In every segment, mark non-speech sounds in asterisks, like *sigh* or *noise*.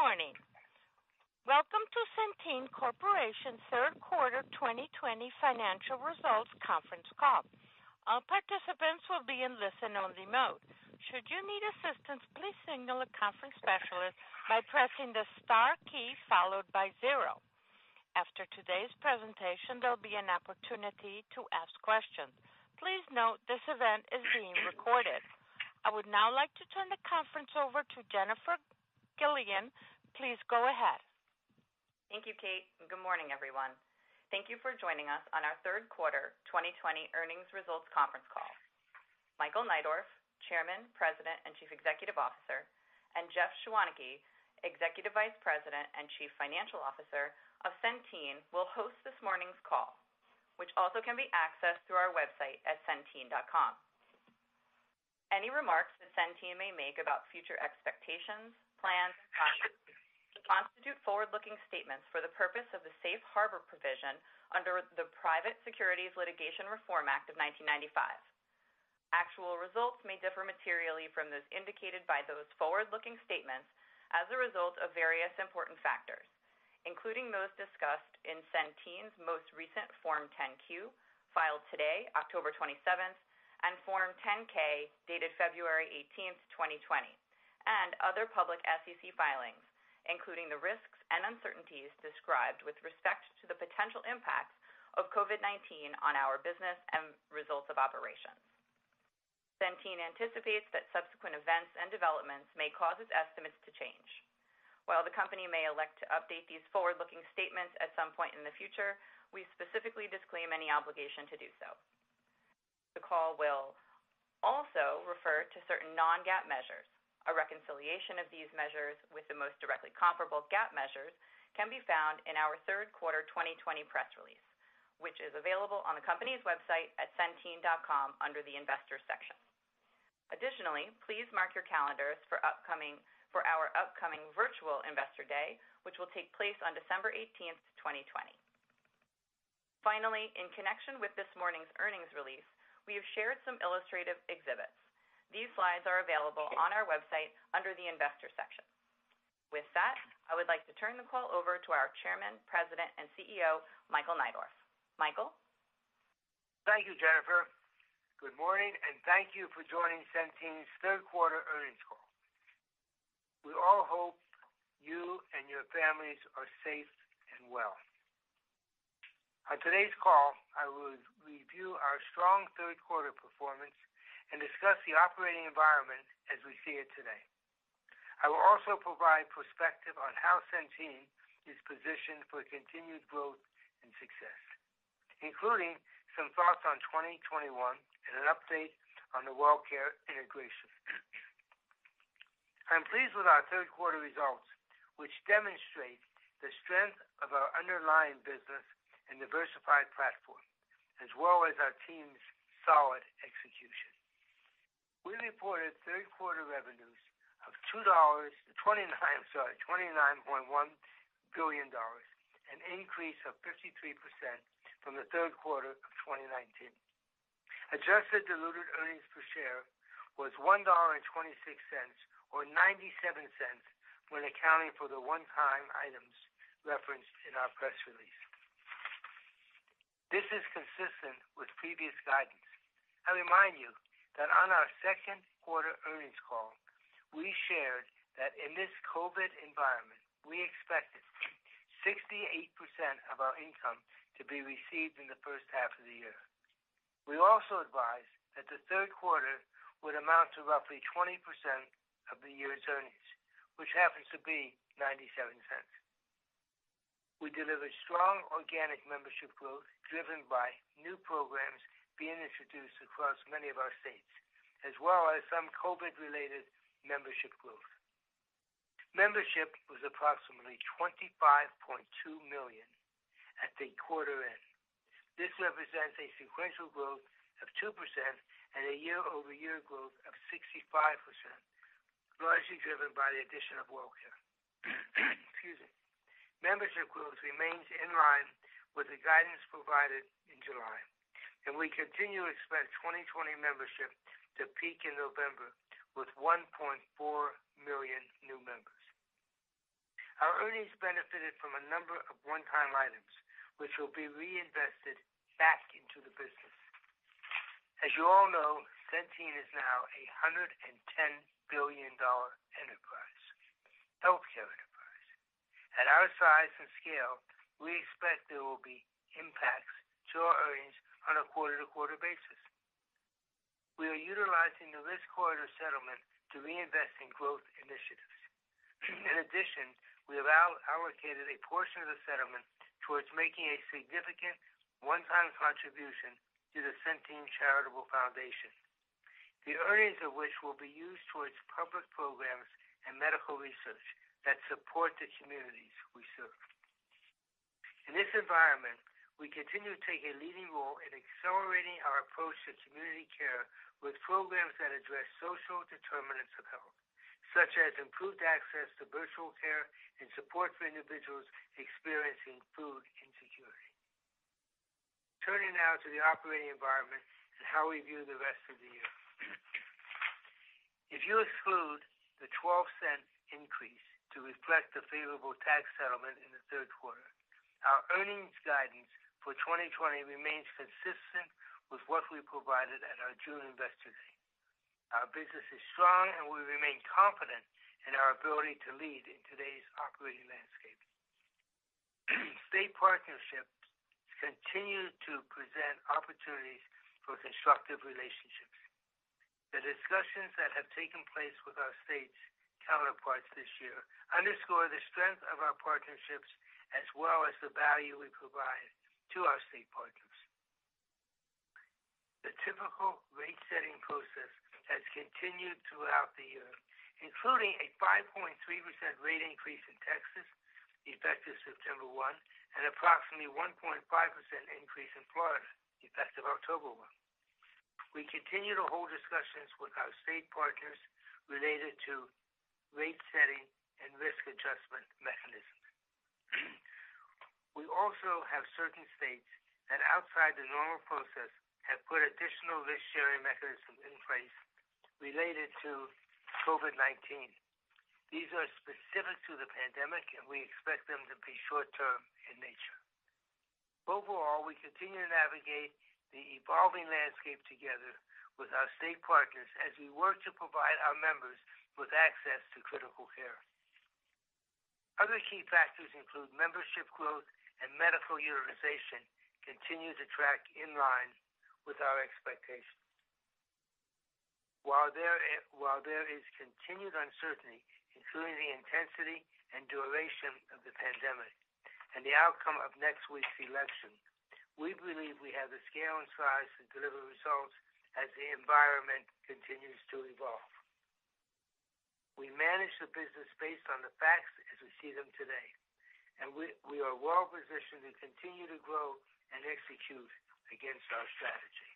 Good morning. Welcome to Centene Corporation third quarter 2020 financial results conference call. All participants will be in listen-only mode. Should you need assistance, please signal a conference specialist by pressing the star key followed by zero. After today's presentation, there'll be an opportunity to ask questions. Please note this event is being recorded. I would now like to turn the conference over to Jennifer Gilligan. Please go ahead. Thank you, Kate, and good morning, everyone. Thank you for joining us on our third quarter 2020 earnings results conference call. Michael Neidorff, Chairman, President, and Chief Executive Officer, and Jeff Schwaneke, Executive Vice President and Chief Financial Officer of Centene, will host this morning's call, which also can be accessed through our website at centene.com. Any remarks that Centene may make about future expectations, plans, and actions constitute forward-looking statements for the purpose of the Safe Harbor provision under the Private Securities Litigation Reform Act of 1995. Actual results may differ materially from those indicated by those forward-looking statements as a result of various important factors, including those discussed in Centene's most recent Form 10-Q, filed today, October 27th, and Form 10-K, dated February 18th, 2020, and other public SEC filings, including the risks and uncertainties described with respect to the potential impacts of COVID-19 on our business and results of operations. Centene anticipates that subsequent events and developments may cause its estimates to change. While the Company may elect to update these forward-looking statements at some point in the future, we specifically disclaim any obligation to do so. The call will also refer to certain non-GAAP measures. A reconciliation of these measures with the most directly comparable GAAP measures can be found in our third quarter 2020 press release, which is available on the company's website at centene.com under the Investors section. Additionally, please mark your calendars for our upcoming virtual Investor Day, which will take place on December 18th, 2020. Finally, in connection with this morning's earnings release, we have shared some illustrative exhibits. These slides are available on our website under the Investors section. With that, I would like to turn the call over to our Chairman, President, and CEO, Michael Neidorff. Michael? Thank you, Jennifer. Good morning, and thank you for joining Centene's third quarter earnings call. We all hope you and your families are safe and well. On today's call, I will review our strong third quarter performance and discuss the operating environment as we see it today. I will also provide perspective on how Centene is positioned for continued growth and success, including some thoughts on 2021 and an update on the WellCare integration. I'm pleased with our third quarter results, which demonstrate the strength of our underlying business and diversified platform, as well as our team's solid execution. We reported third-quarter revenues of $29.1 billion, an increase of 53% from the third quarter of 2019. Adjusted diluted earnings per share was $1.26, or $0.97 when accounting for the one-time items referenced in our press release. This is consistent with previous guidance. I remind you that on our second quarter earnings call, we shared that in this COVID-19 environment, we expected 68% of our income to be received in the first half of the year. We also advised that the third quarter would amount to roughly 20% of the year's earnings, which happens to be $0.97. We delivered strong organic membership growth driven by new programs being introduced across many of our states, as well as some COVID-19-related membership growth. Membership was approximately 25.2 million at the quarter end. This represents a sequential growth of 2% and a year-over-year growth of 65%, largely driven by the addition of WellCare. Excuse me. Membership growth remains in line with the guidance provided in July, and we continue to expect 2020 membership to peak in November with 1.4 million new members. Our earnings benefited from a number of one-time items, which will be reinvested back into the business. As you all know, Centene is now a $110 billion enterprise, healthcare enterprise. At our size and scale, we expect there will be impacts to our earnings on a quarter-to-quarter basis. We are utilizing the risk corridor settlement to reinvest in growth initiatives. In addition, we have allocated a portion of the settlement towards making a significant one-time contribution to the Centene Charitable Foundation, the earnings of which will be used towards public programs and medical research that support the communities we serve. In this environment, we continue to take a leading role in accelerating our approach to community care with programs that address social determinants of health, such as improved access to virtual care and support for individuals experiencing [food]. Now to the operating environment and how we view the rest of the year. If you exclude the $0.12 increase to reflect the favorable tax settlement in the third quarter, our earnings guidance for 2020 remains consistent with what we provided at our June Investor Day. Our business is strong, and we remain confident in our ability to lead in today's operating landscape. State partnerships continue to present opportunities for constructive relationships. The discussions that have taken place with our state counterparts this year underscore the strength of our partnerships as well as the value we provide to our state partners. The typical rate-setting process has continued throughout the year, including a 5.3% rate increase in Texas effective September 1, and approximately 1.5% increase in Florida effective October 1. We continue to hold discussions with our state partners related to rate setting and risk adjustment mechanisms. We also have certain states that outside the normal process have put additional risk-sharing mechanisms in place related to COVID-19. These are specific to the pandemic, and we expect them to be short-term in nature. Overall, we continue to navigate the evolving landscape together with our state partners as we work to provide our members with access to critical care. Other key factors include membership growth and medical utilization continue to track in line with our expectations. While there is continued uncertainty, including the intensity and duration of the pandemic and the outcome of next week's election, we believe we have the scale and size to deliver results as the environment continues to evolve. We manage the business based on the facts as we see them today, and we are well-positioned to continue to grow and execute against our strategy.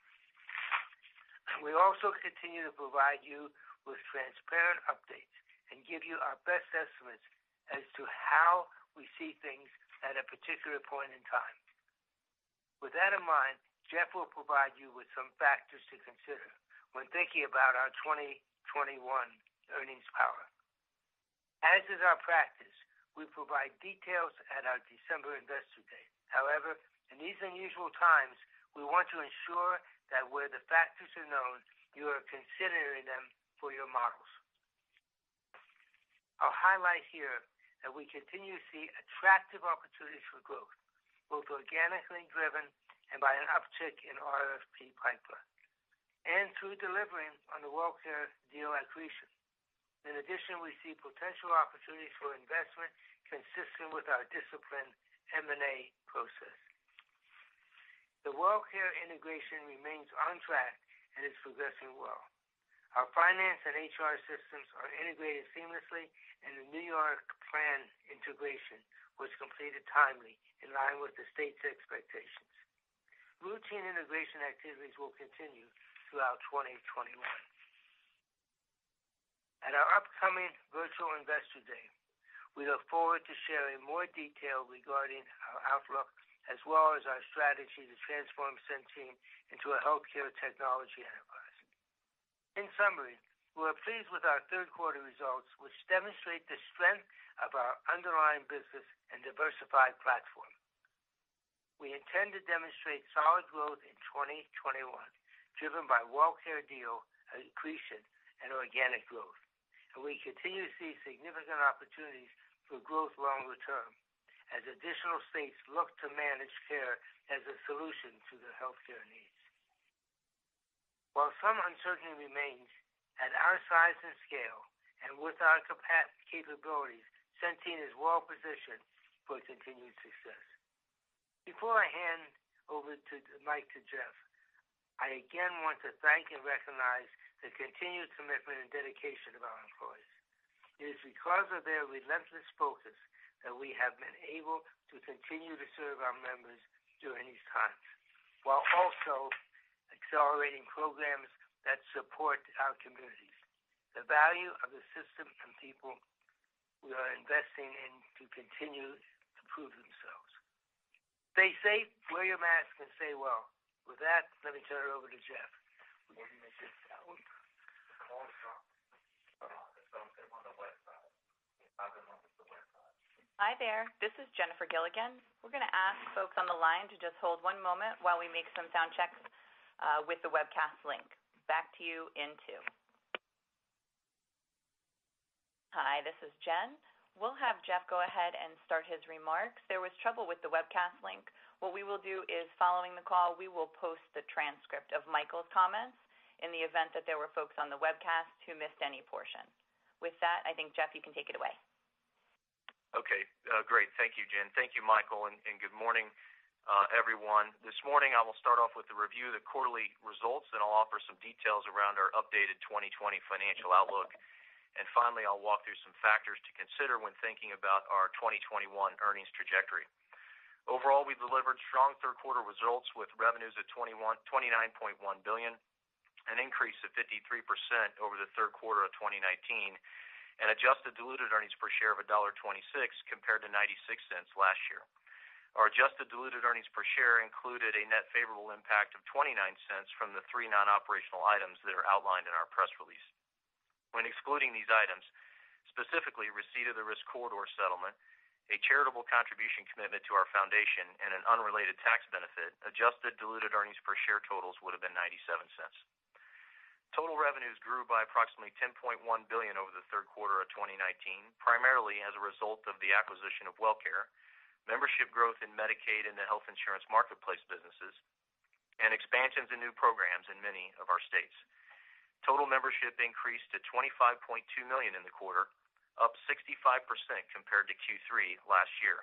We also continue to provide you with transparent updates and give you our best estimates as to how we see things at a particular point in time. With that in mind, Jeff will provide you with some factors to consider when thinking about our 2021 earnings power. As is our practice, we provide details at our December Investor Day. However, in these unusual times, we want to ensure that where the factors are known, you are considering them for your models. I'll highlight here that we continue to see attractive opportunities for growth, both organically driven and by an uptick in RFP pipeline, and through delivering on the WellCare deal accretion. In addition, we see potential opportunities for investment consistent with our disciplined M&A process. The WellCare integration remains on track and is progressing well. Our finance and HR systems are integrated seamlessly, and the New York plan integration was completed timely, in line with the state's expectations. Routine integration activities will continue throughout 2021. At our upcoming virtual Investor Day, we look forward to sharing more detail regarding our outlook as well as our strategy to transform Centene into a healthcare technology enterprise. In summary, we are pleased with our third quarter results, which demonstrate the strength of our underlying business and diversified platform. We intend to demonstrate solid growth in 2021, driven by WellCare deal accretion and organic growth. We continue to see significant opportunities for growth longer term as additional states look to manage care as a solution to their healthcare needs. While some uncertainty remains, at our size and scale, and with our capabilities, Centene is well positioned for continued success. Before I hand over the mic to Jeff, I again want to thank and recognize the continued commitment and dedication of our employees. It is because of their relentless focus that we have been able to continue to serve our members during these times, while also accelerating programs that support our communities. The value of the system and people we are investing in to continue to prove themselves. Stay safe, wear your mask, and stay well. With that, let me turn it over to Jeff. Hi there. This is Jennifer Gilligan. We're going to ask folks on the line to just hold one moment while we make some sound checks with the webcast link. Back to you in two. Hi, this is Jen. We'll have Jeff go ahead and start his remarks. There was trouble with the webcast link. What we will do is following the call, we will post the transcript of Michael's comments in the event that there were folks on the webcast who missed any portion. With that, I think Jeff, you can take it away. Okay. Great. Thank you, Jen. Thank you, Michael, and good morning, everyone. This morning, I will start off with the review of the quarterly results. I'll offer some details around our updated 2020 financial outlook. Finally, I'll walk through some factors to consider when thinking about our 2021 earnings trajectory. Overall, we delivered strong third quarter results with revenues at $29.1 billion. An increase of 53% over the third quarter of 2019. Adjusted diluted earnings per share of $1.26 compared to $0.96 last year. Our adjusted diluted earnings per share included a net favorable impact of $0.29 from the three non-operational items that are outlined in our press release. When excluding these items, specifically receipt of the risk corridor settlement, a charitable contribution commitment to our foundation, and an unrelated tax benefit, adjusted diluted earnings per share totals would've been $0.97. Total revenues grew by approximately $10.1 billion over the third quarter of 2019, primarily as a result of the acquisition of WellCare, membership growth in Medicaid and the Health Insurance Marketplace businesses, and expansions in new programs in many of our states. Total membership increased to 25.2 million in the quarter, up 65% compared to Q3 last year.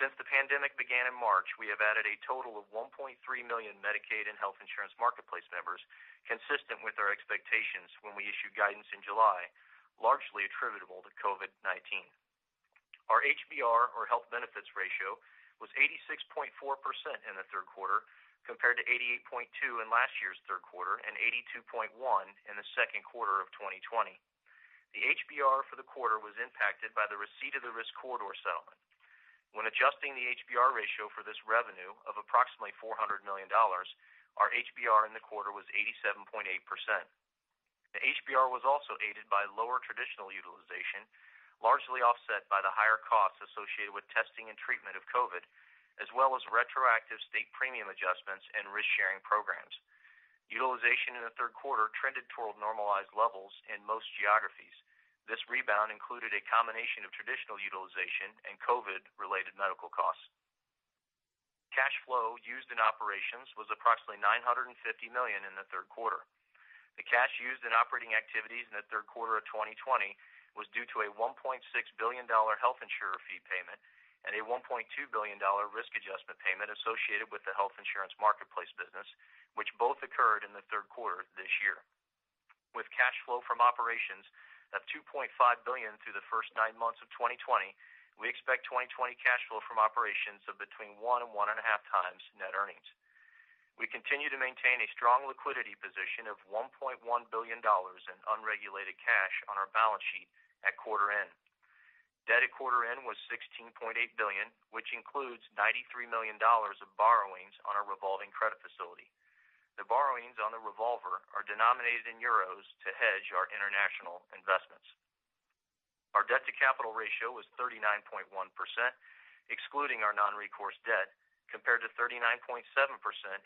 Since the pandemic began in March, we have added a total of 1.3 million Medicaid and Health Insurance Marketplace members, consistent with our expectations when we issued guidance in July, largely attributable to COVID-19. Our HBR, or health benefits ratio, was 86.4% in the third quarter, compared to 88.2% in last year's third quarter and 82.1% in the second quarter of 2020. The HBR for the quarter was impacted by the receipt of the risk corridor settlement. When adjusting the HBR ratio for this revenue of approximately $400 million, our HBR in the quarter was 87.8%. The HBR was also aided by lower traditional utilization, largely offset by the higher costs associated with testing and treatment of COVID, as well as retroactive state premium adjustments and risk-sharing programs. Utilization in the third quarter trended toward normalized levels in most geographies. This rebound included a combination of traditional utilization and COVID-related medical costs. Cash flow used in operations was approximately $950 million in the third quarter. The cash used in operating activities in the third quarter of 2020 was due to a $1.6 billion health insurer fee payment and a $1.2 billion risk adjustment payment associated with the Health Insurance Marketplace business, which both occurred in the third quarter this year. With cash flow from operations of $2.5 billion through the first nine months of 2020, we expect 2020 cash flow from operations of between 1x and 1.5x net earnings. We continue to maintain a strong liquidity position of $1.1 billion in unregulated cash on our balance sheet at quarter end. Debt at quarter end was $16.8 billion, which includes $93 million of borrowings on our revolving credit facility. The borrowings on the revolver are denominated in euros to hedge our international investments. Our debt-to-capital ratio was 39.1%, excluding our non-recourse debt, compared to 39.7%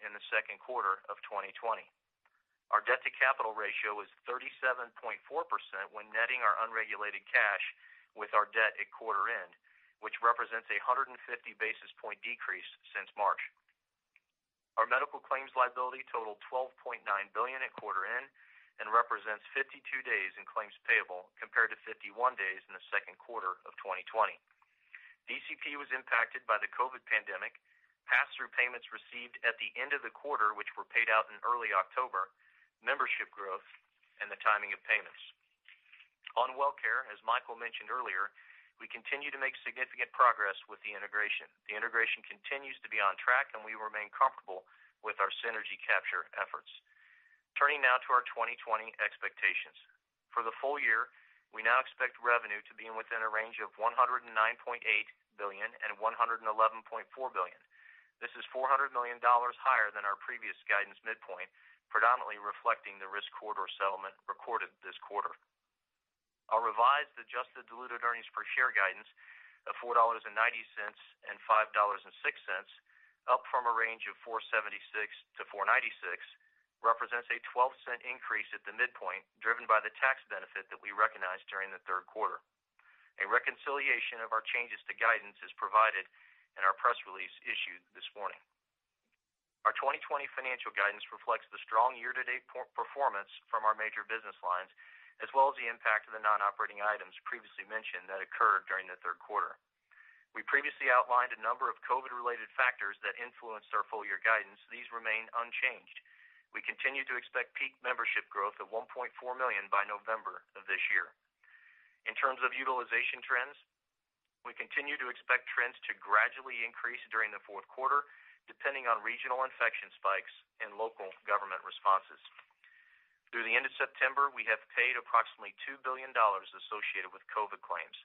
in the second quarter of 2020. Our debt-to-capital ratio was 37.4% when netting our unregulated cash with our debt at quarter end, which represents a 150 basis point decrease since March. Our medical claims liability totaled $12.9 billion at quarter end and represents 52 days in claims payable, compared to 51 days in the second quarter of 2020. DCP was impacted by the COVID pandemic, pass-through payments received at the end of the quarter, which were paid out in early October, membership growth, and the timing of payments. On WellCare, as Michael mentioned earlier, we continue to make significant progress with the integration. The integration continues to be on track, and we remain comfortable with our synergy capture efforts. Turning now to our 2020 expectations. For the full year, we now expect revenue to be within a range of $109.8 billion and $111.4 billion. This is $400 million higher than our previous guidance midpoint, predominantly reflecting the risk corridor settlement recorded this quarter. Our revised adjusted diluted earnings per share guidance of $4.90 and $5.06, up from a range of $4.76- $4.96, represents a $0.12 increase at the midpoint, driven by the tax benefit that we recognized during the third quarter. A reconciliation of our changes to guidance is provided in our press release issued this morning. Our 2020 financial guidance reflects the strong year-to-date performance from our major business lines, as well as the impact of the non-operating items previously mentioned that occurred during the third quarter. We previously outlined a number of COVID-related factors that influenced our full year guidance. These remain unchanged. We continue to expect peak membership growth of 1.4 million by November of this year. In terms of utilization trends, we continue to expect trends to gradually increase during the fourth quarter, depending on regional infection spikes and local government responses. Through the end of September, we have paid approximately $2 billion associated with COVID claims.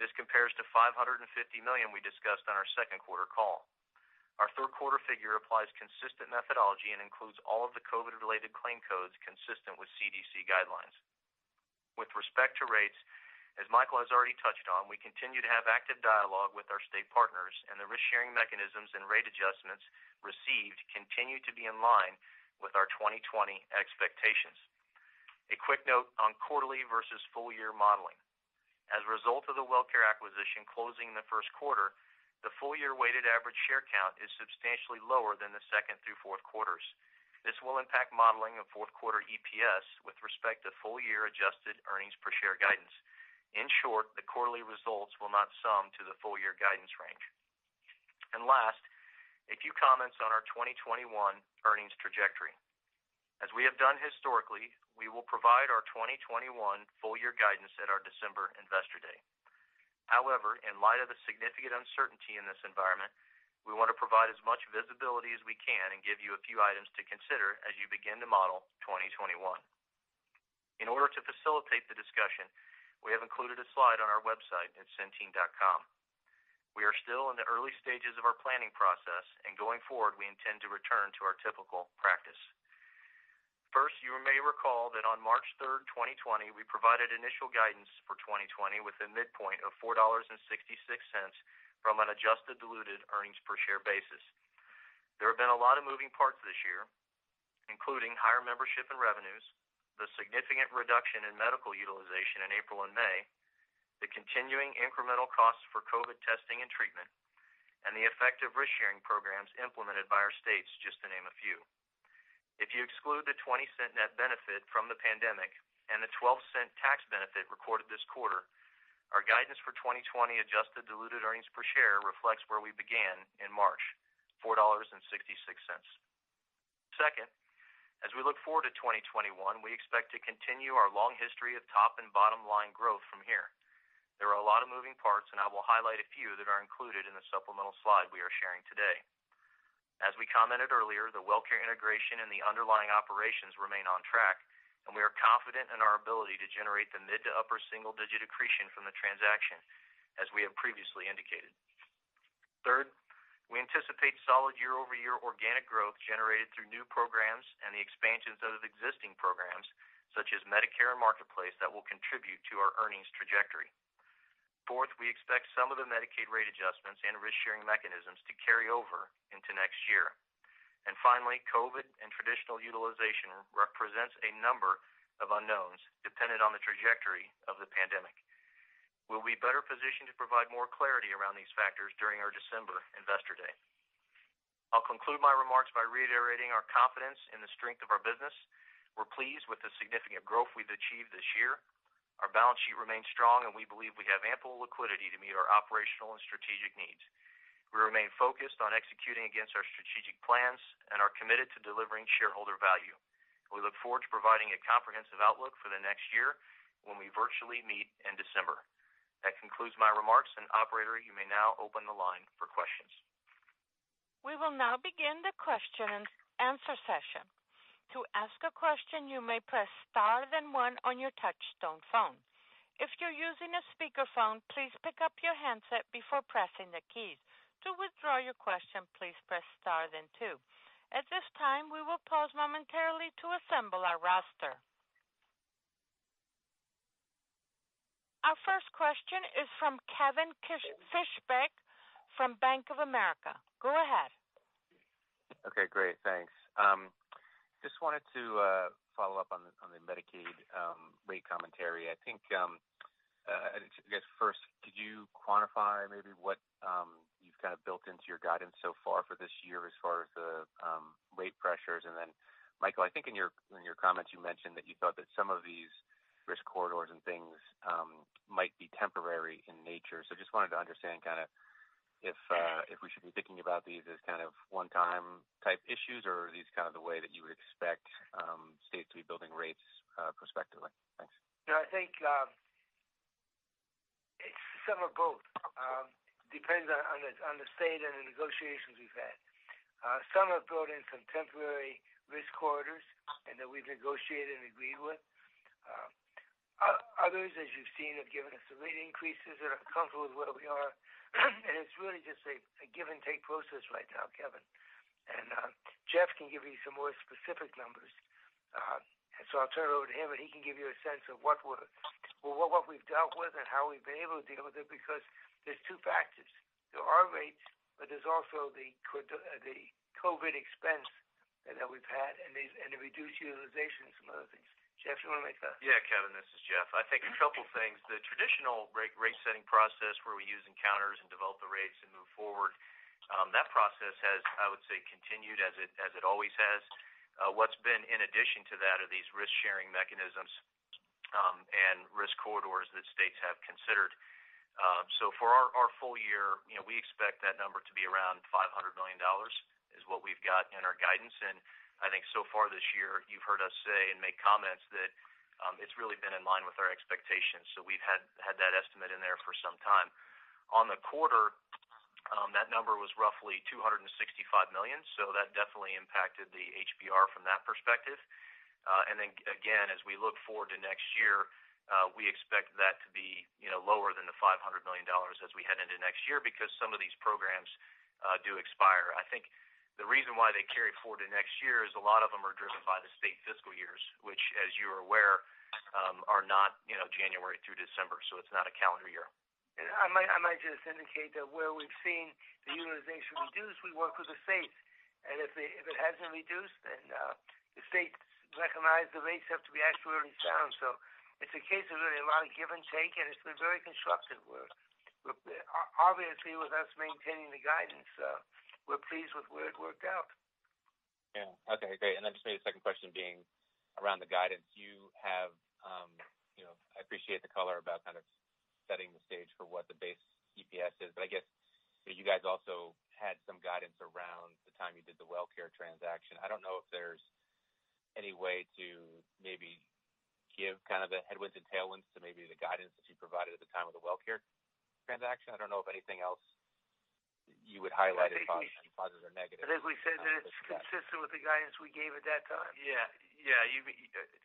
This compares to $550 million we discussed on our second quarter call. Our third quarter figure applies consistent methodology and includes all of the COVID-related claim codes consistent with CDC guidelines. With respect to rates, as Michael has already touched on, we continue to have active dialogue with our state partners, and the risk-sharing mechanisms and rate adjustments received continue to be in line with our 2020 expectations. A quick note on quarterly versus full year modeling. As a result of the WellCare acquisition closing in the first quarter, the full year weighted average share count is substantially lower than the second through fourth quarters. This will impact modeling of fourth quarter EPS with respect to full year adjusted earnings per share guidance. In short, the quarterly results will not sum to the full year guidance range. Last, a few comments on our 2021 earnings trajectory. As we have done historically, we will provide our 2021 full year guidance at our December investor day. However, in light of the significant uncertainty in this environment, we want to provide as much visibility as we can and give you a few items to consider as you begin to model 2021. In order to facilitate the discussion, we have included a slide on our website at centene.com. We are still in the early stages of our planning process, and going forward, we intend to return to our typical practice. First, you may recall that on March 3rd, 2020, we provided initial guidance for 2020 with a midpoint of $4.66 from an adjusted diluted earnings per share basis. There have been a lot of moving parts this year, including higher membership and revenues, the significant reduction in medical utilization in April and May, the continuing incremental costs for COVID testing and treatment, and the effect of risk-sharing programs implemented by our states, just to name a few. If you exclude the $0.20 net benefit from the pandemic and the $0.12 tax benefit recorded this quarter, our guidance for 2020 adjusted diluted earnings per share reflects where we began in March, $4.66. Second, as we look forward to 2021, we expect to continue our long history of top and bottom-line growth from here. There are a lot of moving parts, and I will highlight a few that are included in the supplemental slide we are sharing today. As we commented earlier, the WellCare integration and the underlying operations remain on track, and we are confident in our ability to generate the mid to upper single-digit accretion from the transaction, as we have previously indicated. Third, we anticipate solid year-over-year organic growth generated through new programs and the expansions of existing programs such as Medicare and Marketplace that will contribute to our earnings trajectory. Fourth, we expect some of the Medicaid rate adjustments and risk-sharing mechanisms to carry over into next year. Finally, COVID and traditional utilization represents a number of unknowns dependent on the trajectory of the pandemic. We'll be better positioned to provide more clarity around these factors during our December investor day. I'll conclude my remarks by reiterating our confidence in the strength of our business. We're pleased with the significant growth we've achieved this year. Our balance sheet remains strong, and we believe we have ample liquidity to meet our operational and strategic needs. We remain focused on executing against our strategic plans and are committed to delivering shareholder value. We look forward to providing a comprehensive outlook for the next year when we virtually meet in December. That concludes my remarks, and operator, you may now open the line for questions. We will now begin the question and answer session. Our first question is from Kevin Fischbeck from Bank of America. Go ahead. Okay, great. Thanks. Just wanted to follow up on the Medicaid rate commentary. I guess first, could you quantify maybe what you've kind of built into your guidance so far for this year as far as the rate pressures? Then, Michael, I think in your comments, you mentioned that you thought that some of these risk corridors and things might be temporary in nature. Just wanted to understand if we should be thinking about these as one-time type issues or are these kind of the way that you would expect states to be building rates prospectively. Thanks. No, I think some are both. Depends on the state and the negotiations we've had. Some have built in some temporary risk corridors and that we've negotiated and agreed with. Others, as you've seen, have given us the rate increases and are comfortable with where we are. It's really just a give-and-take process right now, Kevin, and Jeff can give you some more specific numbers. I'll turn it over to him, and he can give you a sense of what we've dealt with and how we've been able to deal with it, because there's two factors. There are rates, but there's also the COVID expense that we've had, and the reduced utilization and some other things. Jeff, you want to make that? Yeah, Kevin, this is Jeff. I think a couple things. The traditional rate-setting process where we use encounters and develop the rates and move forward, that process has, I would say, continued as it always has. What's been in addition to that are these risk-sharing mechanisms and risk corridors that states have considered. For our full year, we expect that number to be around $500 million, is what we've got in our guidance. I think so far this year, you've heard us say and make comments that it's really been in line with our expectations. We've had that estimate in there for some time. On the quarter, that number was roughly $265 million, that definitely impacted the HBR from that perspective. Again, as we look forward to next year, we expect that to be lower than the $500 million as we head into next year because some of these programs do expire. I think the reason why they carry forward to next year is a lot of them are driven by the state fiscal years, which as you are aware, are not January through December. It's not a calendar year. I might just indicate that where we've seen the utilization reduced, we work with the states. If it hasn't reduced, then the states recognize the rates have to be actuarially sound. It's a case of really a lot of give and take, and it's been very constructive. Obviously, with us maintaining the guidance, we're pleased with where it worked out. Yeah. Okay, great. Then just maybe the second question being around the guidance. I appreciate the color about kind of setting the stage for what the base EPS is, but I guess you guys also had some guidance around the time you did the WellCare transaction. I don't know if any way to maybe give the headwinds and tailwinds to maybe the guidance that you provided at the time of the WellCare transaction? I don't know of anything else you would highlight as positives or negatives. As we said, that it's consistent with the guidance we gave at that time. Yeah.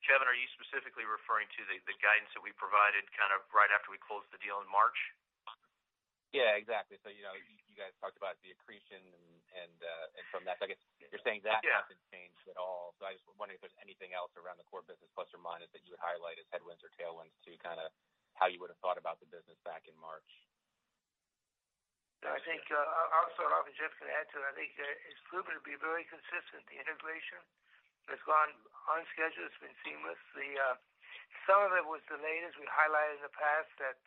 Kevin, are you specifically referring to the guidance that we provided right after we closed the deal in March? Yeah, exactly. You guys talked about the accretion, from that, I guess you're saying that. Yeah. Hasn't changed at all. I was just wondering if there's anything else around the core business, plus or minus, that you would highlight as headwinds or tailwinds to how you would've thought about the business back in March? [Rob] and Jeff can add to it. It's proven to be very consistent. The integration has gone on schedule. It's been seamless. Some of it was delayed, as we highlighted in the past, that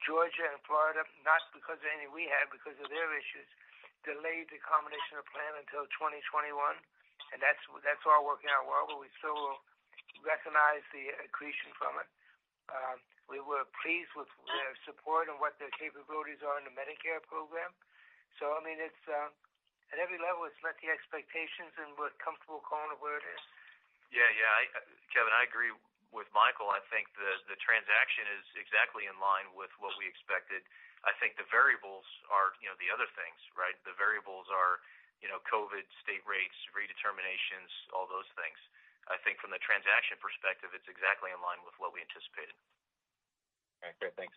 Georgia and Florida, not because of anything we had, because of their issues, delayed the combination of plan until 2021, and that's all working out well. We still recognize the accretion from it. We were pleased with their support and what their capabilities are in the Medicare program. At every level, it's met the expectations and we're comfortable calling it where it is. Yeah. Kevin, I agree with Michael. I think the transaction is exactly in line with what we expected. I think the variables are the other things, right? The variables are COVID, state rates, redeterminations, all those things. I think from the transaction perspective, it's exactly in line with what we anticipated. Okay. Great. Thanks.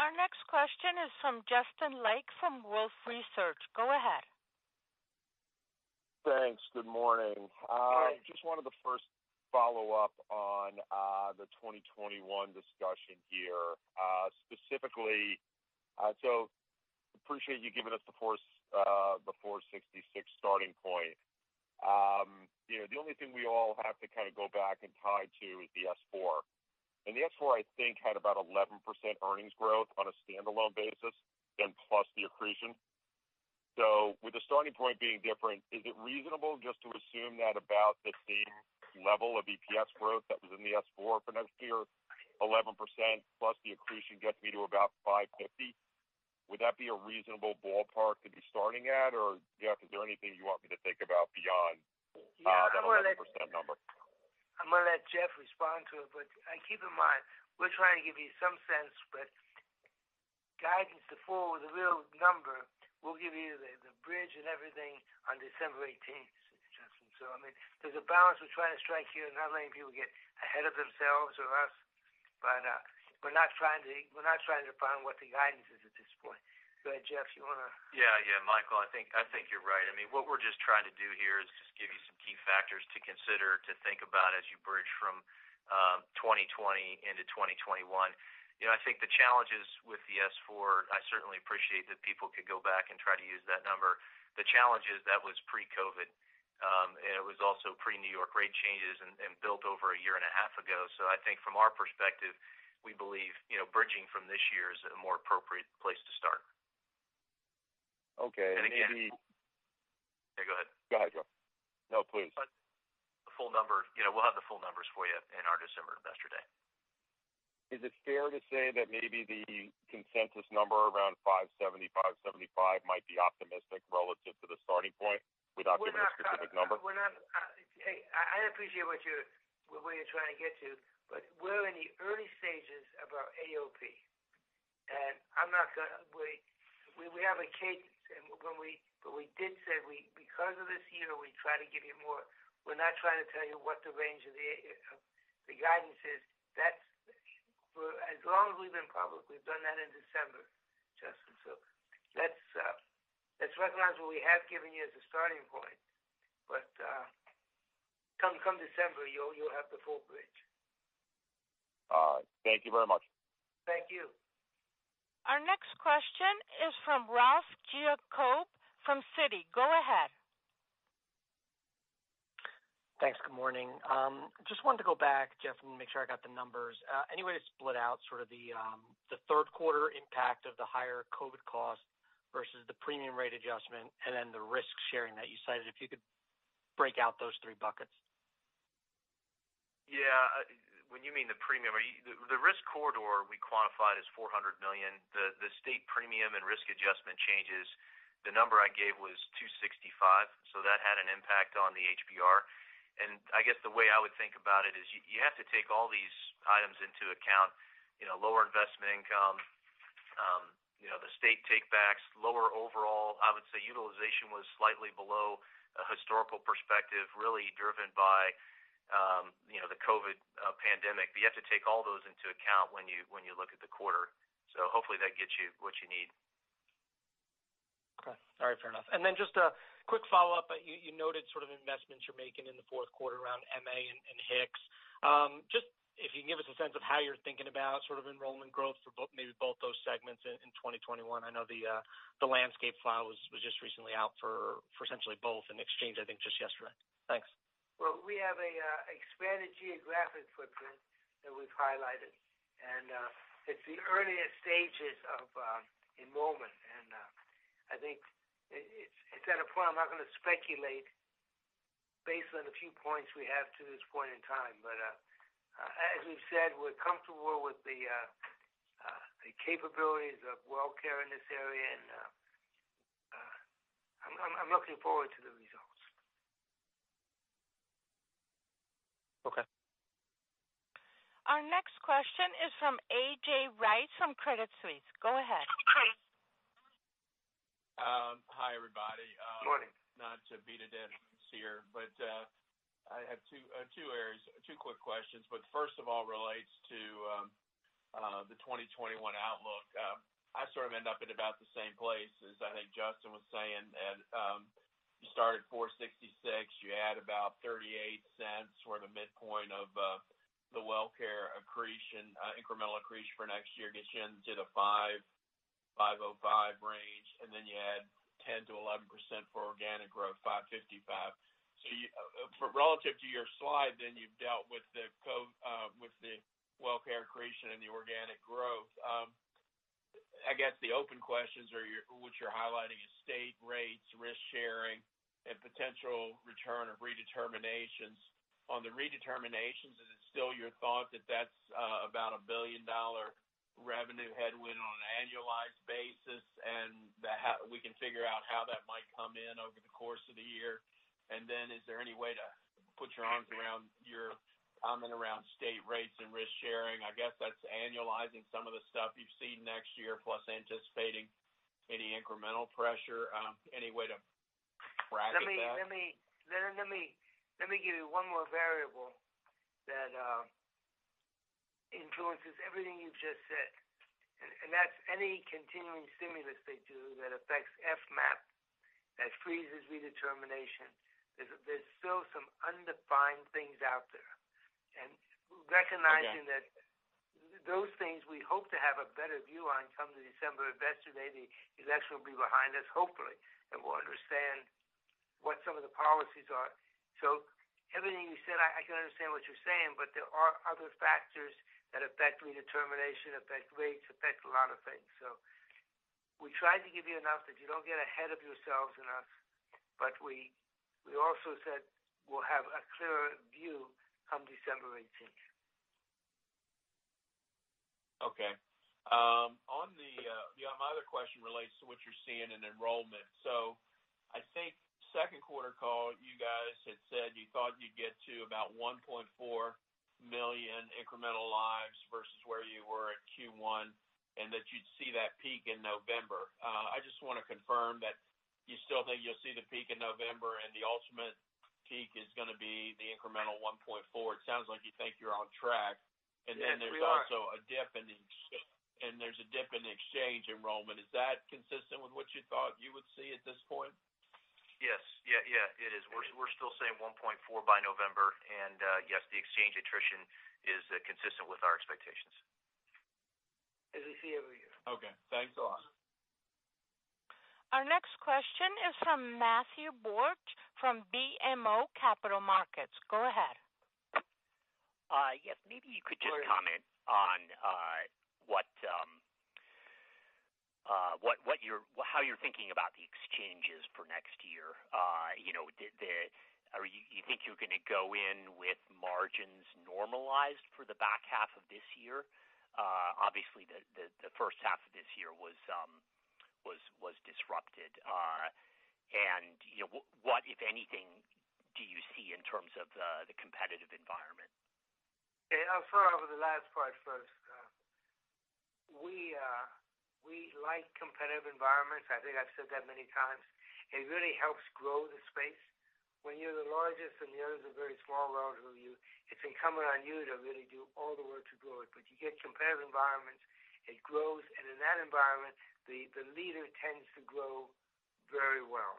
Our next question is from Justin Lake from Wolfe Research. Go ahead. Thanks. Good morning. Good morning. Just wanted to first follow up on the 2021 discussion here. Specifically, appreciate you giving us the $4.66 starting point. The only thing we all have to kind of go back and tie to is the S-4. The S-4, I think, had about 11% earnings growth on a standalone basis, then plus the accretion. With the starting point being different, is it reasonable just to assume that about the same level of EPS growth that was in the S-4 for next year, 11%, plus the accretion gets me to about $5.50? Would that be a reasonable ballpark to be starting at? Jeff, is there anything you want me to think about beyond that 11% number? I'm going to let Jeff respond to it. Keep in mind, we're trying to give you some sense, guidance to forward the real number, we'll give you the bridge and everything on December 18th, Justin. I mean, there's a balance we're trying to strike here, not letting people get ahead of themselves or us. We're not trying to define what the guidance is at this point. Go ahead, Jeff. Michael, I think you're right. I mean, what we're just trying to do here is just give you some key factors to consider to think about as you bridge from 2020 into 2021. I think the challenges with the S-4, I certainly appreciate that people could go back and try to use that number. The challenge is that was pre-COVID-19, and it was also pre-New York rate changes and built over a year and a half ago. I think from our perspective, we believe bridging from this year is a more appropriate place to start. Okay. Again, Yeah, go ahead. Go ahead, Jeff. No, please. The full number, we'll have the full numbers for you in our December investor day. Is it fair to say that maybe the consensus number around $5.70, $5.75 might be optimistic relative to the starting point without giving a specific number? I appreciate what you're trying to get to, we're in the early stages of our AOP. We have a cadence, we did say because of this year, we try to give you more. We're not trying to tell you what the range of the guidance is. For as long as we've been public, we've done that in December, Justin. Let's recognize what we have given you as a starting point. Come December, you'll have the full bridge. All right. Thank you very much. Thank you. Our next question is from Ralph Giacobbe from Citi. Go ahead. Thanks. Good morning. Just wanted to go back, Jeff, and make sure I got the numbers. Any way to split out sort of the third quarter impact of the higher COVID cost versus the premium rate adjustment and then the risk-sharing that you cited, if you could break out those three buckets? Yeah. When you mean the premium, the risk corridor we quantified as $400 million. The state premium and risk adjustment changes, the number I gave was $265, that had an impact on the HBR. I guess the way I would think about it is you have to take all these items into account, lower investment income, the state take backs, lower overall, I would say utilization was slightly below a historical perspective, really driven by the COVID-19 pandemic. You have to take all those into account when you look at the quarter. Hopefully that gets you what you need. Okay. All right. Fair enough. Just a quick follow-up. You noted sort of investments you're making in the fourth quarter around MA and HIX. If you can give us a sense of how you're thinking about sort of enrollment growth for maybe both those segments in 2021. I know the landscape file was just recently out for essentially both in Exchange, I think, just yesterday. Thanks. Well, we have an expanded geographic footprint that we've highlighted, and it's the earliest stages of enrollment, and I think it's at a point I'm not going to speculate based on the few points we have to this point in time. As we've said, we're comfortable with the. The capabilities of WellCare in this area, and I'm looking forward to the results. Okay. Our next question is from A.J. Rice from Credit Suisse. Go ahead. Okay. Hi, everybody. Morning. Not to beat a dead horse here, I have two quick questions. First of all relates to the 2021 outlook. I sort of end up in about the same place as I think Justin was saying, that you start at $4.66, you add about $0.38, sort of midpoint of the WellCare accretion, incremental accretion for next year, gets you into the $5.05 range, and then you add 10%-11% for organic growth, $5.55. Relative to your slide, then you've dealt with the WellCare accretion and the organic growth. I guess the open questions are what you're highlighting is state rates, risk-sharing, and potential return of redeterminations. On the redeterminations, is it still your thought that that's about a billion-dollar revenue headwind on an annualized basis, and we can figure out how that might come in over the course of the year? Is there any way to put your arms around your comment around state rates and risk-sharing? I guess that's annualizing some of the stuff you've seen next year, plus anticipating any incremental pressure. Any way to bracket that? Let me give you one more variable that influences everything you just said, and that's any continuing stimulus they do that affects FMAP, that freezes redetermination. There's still some undefined things out there. Okay. That those things we hope to have a better view on come December. The election will be behind us hopefully, and we'll understand what some of the policies are. Everything you said, I can understand what you're saying, but there are other factors that affect redetermination, affect rates, affect a lot of things. We tried to give you enough that you don't get ahead of yourselves and us, but we also said we'll have a clearer view come December 18th. Okay. My other question relates to what you're seeing in enrollment. I think second quarter call, you guys had said you thought you'd get to about 1.4 million incremental lives versus where you were at Q1, and that you'd see that peak in November. I just want to confirm that you still think you'll see the peak in November, and the ultimate peak is going to be the incremental 1.4. It sounds like you think you're on track. Yes, we are. There's also a dip in exchange enrollment. Is that consistent with what you thought you would see at this point? Yes. It is. We're still saying 1.4 by November. Yes, the Exchange attrition is consistent with our expectations. As we see every year. Okay. Thanks a lot. Our next question is from Matthew Borsch from BMO Capital Markets. Go ahead. Yes. Maybe you could just comment on how you're thinking about the exchanges for next year. You think you're going to go in with margins normalized for the back half of this year? Obviously, the first half of this year was disrupted. What, if anything, do you see in terms of the competitive environment? I'll start with the last part first. We like competitive environments. I think I've said that many times. It really helps grow the space. When you're the largest and the others are very small around you, it's incumbent on you to really do all the work to grow it. You get competitive environments, it grows, and in that environment, the leader tends to grow very well.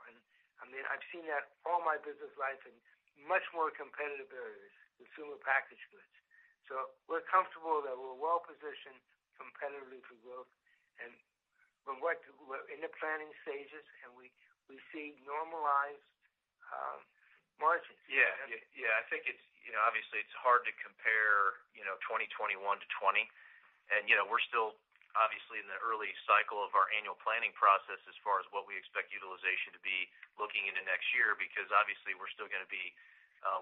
I've seen that all my business life in much more competitive areas, consumer packaged goods. So we're comfortable that we're well-positioned competitively for growth. We're in the planning stages, and we see normalized margins. I think, obviously it's hard to compare 2021-2020. We're still obviously in the early cycle of our annual planning process as far as what we expect utilization to be looking into next year, because obviously we're still going to be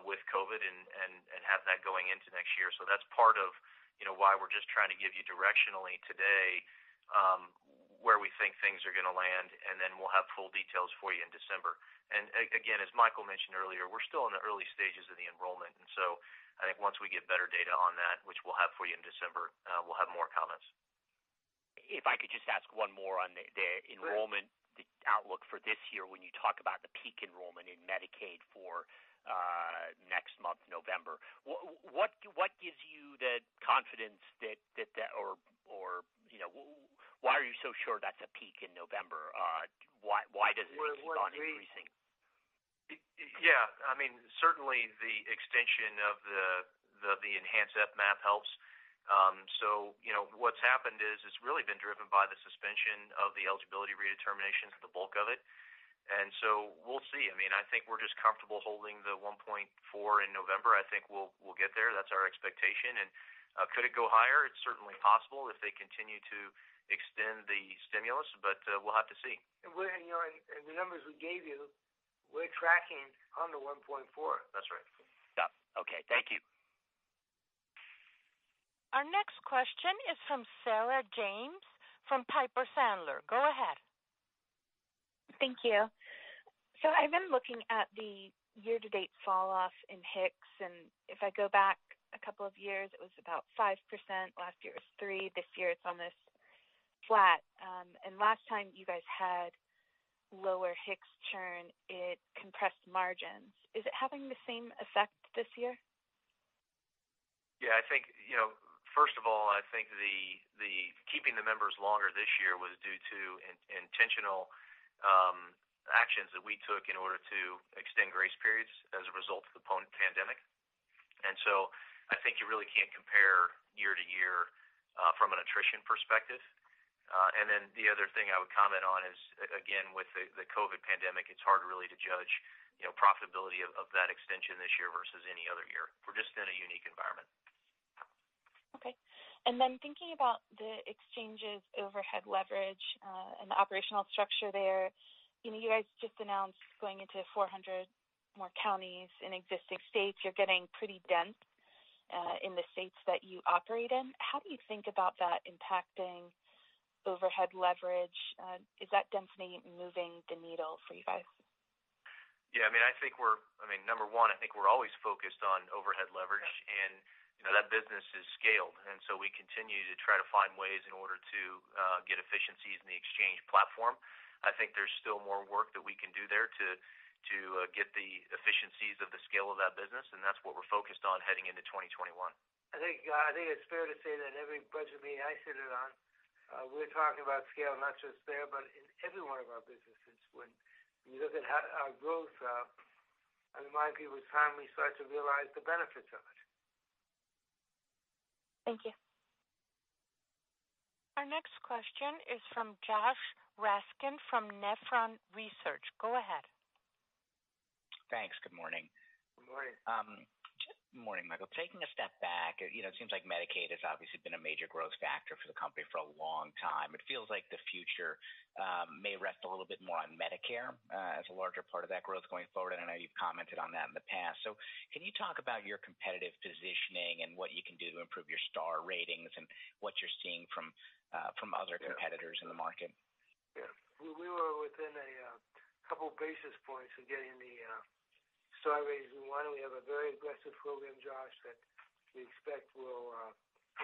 with COVID-19, and have that going into next year. That's part of why we're just trying to give you directionally today, where we think things are going to land, and then we'll have full details for you in December. Again, as Michael mentioned earlier, we're still in the early stages of the enrollment, I think once we get better data on that, which we'll have for you in December, we'll have more comments. If I could just ask one more on the. Sure. Enrollment outlook for this year, when you talk about the peak enrollment in Medicaid for next month, November. What gives you the confidence that, or why are you so sure that's a peak in November? Why doesn't it just keep on increasing? Yeah. Certainly the extension of the enhanced FMAP helps. What's happened is it's really been driven by the suspension of the eligibility redeterminations for the bulk of it. We'll see. I think we're just comfortable holding the 1.4 in November. I think we'll get there. That's our expectation. Could it go higher? It's certainly possible if they continue to extend stimulus, but we'll have to see. The numbers we gave you, we're tracking under 1.4. That's right. Yeah. Okay. Thank you. Our next question is from Sarah James from Piper Sandler. Go ahead. Thank you. I've been looking at the year-to-date fall off in HIX, and if I go back a couple of years, it was about 5%. Last year it was 3%. This year it's almost flat. Last time you guys had lower HIX churn, it compressed margins. Is it having the same effect this year? Yeah. First of all, I think keeping the members longer this year was due to intentional actions that we took in order to extend grace periods as a result of the pandemic. I think you really can't compare year-to-year, from an attrition perspective. The other thing I would comment on is, again, with the COVID pandemic, it's hard really to judge profitability of that extension this year versus any other year. We're just in a unique environment. Okay. thinking about the exchange's overhead leverage, and the operational structure there, you guys just announced going into 400 more counties in existing states. You're getting pretty dense, in the states that you operate in. How do you think about that impacting overhead leverage? Is that density moving the needle for you guys? Yeah, number one, I think we're always focused on overhead leverage, and that business is scaled, and so we continue to try to find ways in order to get efficiencies in the Marketplace platform. I think there's still more work that we can do there to get the efficiencies of the scale of that business, and that's what we're focused on heading into 2021. I think it's fair to say that every budget meeting I sit in on, we're talking about scale, not just there, but in every one of our businesses. When you look at our growth, I remind people it's time we start to realize the benefits of it. Thank you. Our next question is from Josh Raskin from Nephron Research. Go ahead. Thanks. Good morning. Good morning. Good morning, Michael. Taking a step back, it seems like Medicaid has obviously been a major growth factor for the company for a long time. It feels like the future may rest a little bit more on Medicare, as a larger part of that growth going forward, and I know you've commented on that in the past. Can you talk about your competitive positioning and what you can do to improve your star ratings and what you're seeing from other competitors in the market? Yeah. We were within a couple basis points of getting the [star rating one]. We have a very aggressive program, Josh, that we expect will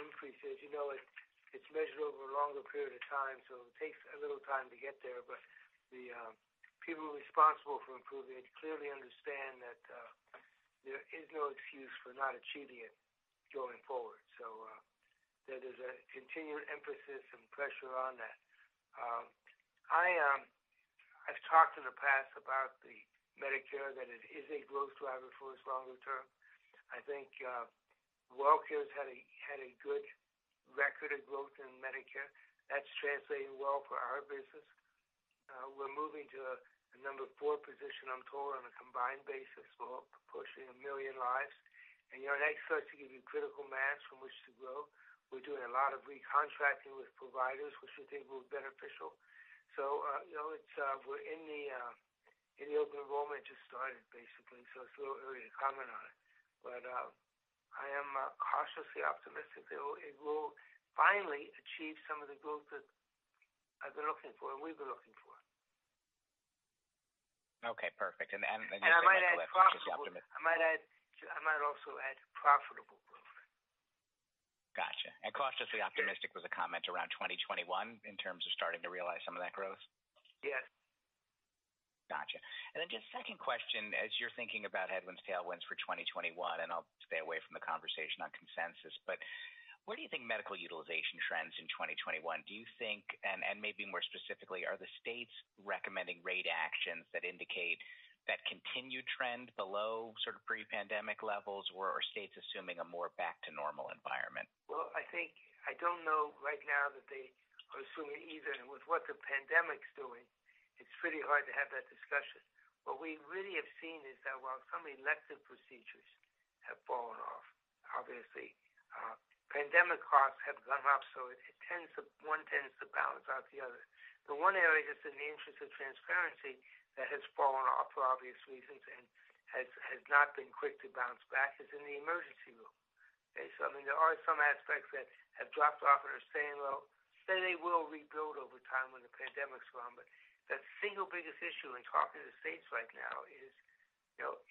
increase it. It's measured over a longer period of time, so it takes a little time to get there. The people responsible for improving it clearly understand that there is no excuse for not achieving it going forward. There is a continued emphasis and pressure on that. I've talked in the past about the Medicare, that it is a growth driver for us longer term. I think WellCare's had a good record of growth in Medicare. That's translating well for our business. We're moving to a number four position on total, on a combined basis for approaching 1 million lives. That starts to give you critical mass from which to grow. We're doing a lot of recontracting with providers, which we think will be beneficial. We're in the open enrollment just started, basically, so it's a little early to comment on it. I am cautiously optimistic it will finally achieve some of the growth that I've been looking for, and we've been looking for. Okay, perfect. And I might add. *crosstalk* You said you were cautiously optimistic. I might also add profitable growth. Got you. Cautiously optimistic was a comment around 2021 in terms of starting to realize some of that growth? Yes. Got you. Just second question, as you're thinking about headwinds, tailwinds for 2021, and I'll stay away from the conversation on consensus, but where do you think medical utilization trends in 2021? Do you think, and maybe more specifically, are the states recommending rate actions that indicate that continued trend below pre-pandemic levels, or are states assuming a more back to normal environment? Well, I don't know right now that they are assuming either. With what the pandemic's doing, it's pretty hard to have that discussion. What we really have seen is that while some elective procedures have fallen off, obviously, pandemic costs have gone up. One tends to balance out the other. The one area that's in the interest of transparency that has fallen off for obvious reasons and has not been quick to bounce back is in the emergency room. Okay? There are some aspects that have dropped off and are staying low. They will rebuild over time when the pandemic's gone. The single biggest issue in talking to states right now is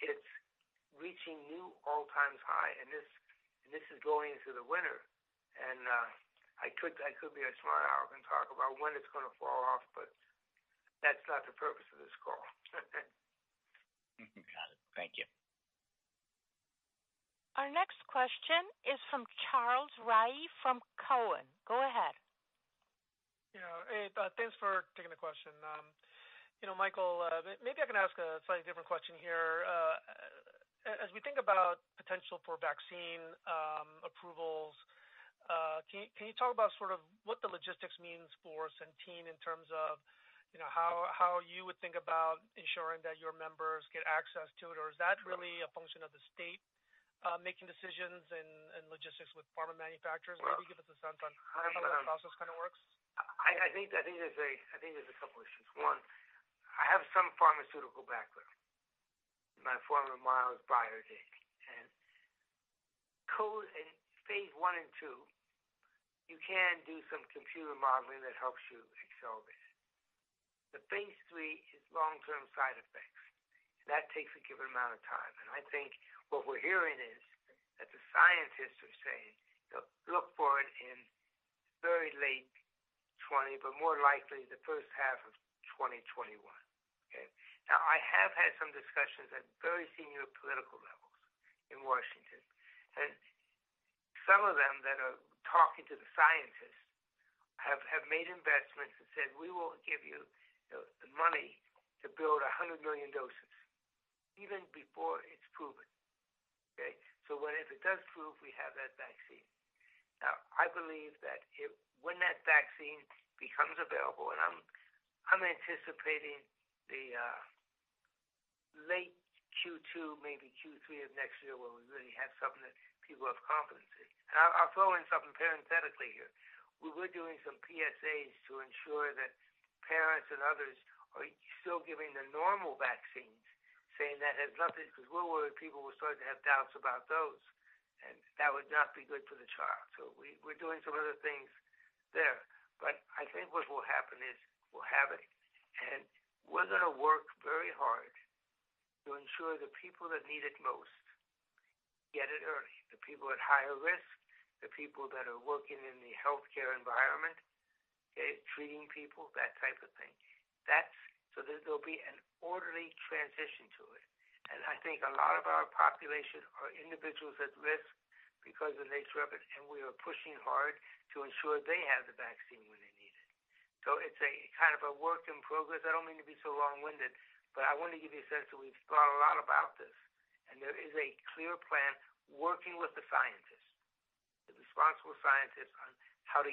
it's reaching new all-times high, and this is going into the winter. I could be a smart aleck and talk about when it's going to fall off, but that's not the purpose of this call. Got it. Thank you. Our next question is from Charles Rhyee from Cowen. Go ahead. Yeah. Thanks for taking the question. Michael, maybe I can ask a slightly different question here. As we think about potential for vaccine approvals, can you talk about what the logistics means for Centene? How you would think about ensuring that your members get access to it, or is that really a function of the state making decisions and logistics with pharma manufacturers? Maybe give us a sense on how that process works. I think there's a couple issues. One, I have some pharmaceutical background. My former employer is Biogen. Phase I and II, you can do some computer modeling that helps you excel this. Phase III is long-term side effects, and that takes a given amount of time. I think what we're hearing is that the scientists are saying, "Look for it in very late 2020, but more likely the first half of 2021." Okay. Now, I have had some discussions at very senior political levels in Washington, and some of them that are talking to the scientists have made investments and said, "We will give you the money to build 100 million doses even before it's proven." Okay? That if it does prove, we have that vaccine. I believe that when that vaccine becomes available, I'm anticipating the late Q2, maybe Q3 of next year, where we really have something that people have confidence in. I'll throw in something parenthetically here. We were doing some PSAs to ensure that parents and others are still giving the normal vaccines because we're worried people will start to have doubts about those, and that would not be good for the child. We're doing some of the things there. I think what will happen is we'll have it, and we're going to work very hard to ensure the people that need it most get it early, the people at higher risk, the people that are working in the healthcare environment, okay, treating people, that type of thing. There'll be an orderly transition to it, and I think a lot of our population are individuals at risk because of nature of it, and we are pushing hard to ensure they have the vaccine when they need it. It's a work in progress. I don't mean to be so long-winded, but I want to give you a sense that we've thought a lot about this, and there is a clear plan working with the scientists, the responsible scientists,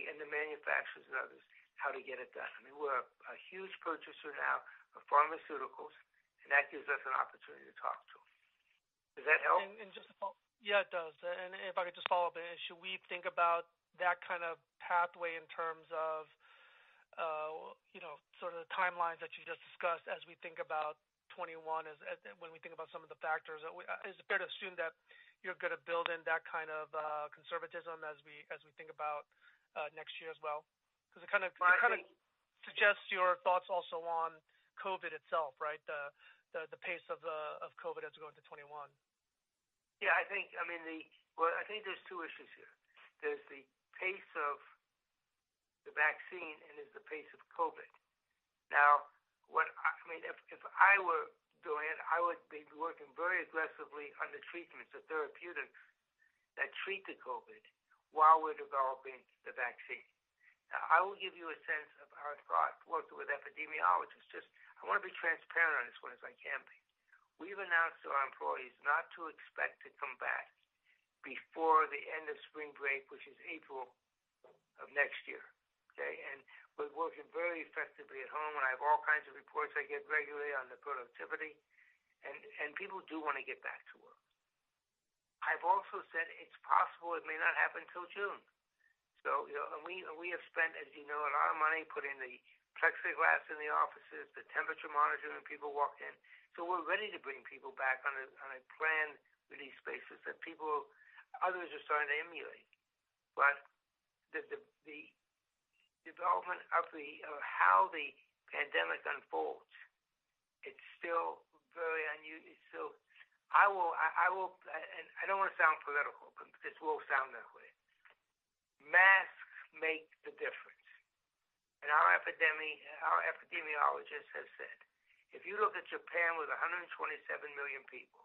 and the manufacturers and others, how to get it done. I mean, we're a huge purchaser now of pharmaceuticals, and that gives us an opportunity to talk to them. Does that help? Yeah, it does. If I could just follow up, should we think about that kind of pathway in terms of sort of the timelines that you just discussed as we think about 2021, when we think about some of the factors, is it fair to assume that you're going to build in that kind of conservatism as we think about next year as well? I think. Suggests your thoughts also on COVID itself, right? The pace of COVID as we go into 2021. Yeah. I think there's two issues here. There's the pace of the vaccine, there's the pace of COVID. If I were doing it, I would be working very aggressively on the treatments, the therapeutics that treat the COVID while we're developing the vaccine. I will give you a sense of our thought, working with epidemiologists, just I want to be transparent on this one as I can be. We've announced to our employees not to expect to come back before the end of spring break, which is April of next year, okay? We're working very effectively at home, and I have all kinds of reports I get regularly on the productivity, and people do want to get back to work. I've also said it's possible it may not happen till June. And we have spent, as you know, a lot of money putting the plexiglass in the offices, the temperature monitoring when people walk in. We're ready to bring people back on a planned release basis that others are starting to emulate. The development of how the pandemic unfolds, it's still very unusual. I don't want to sound political, but this will sound that way. Masks make the difference. Our epidemiologist has said, if you look at Japan with 127 million people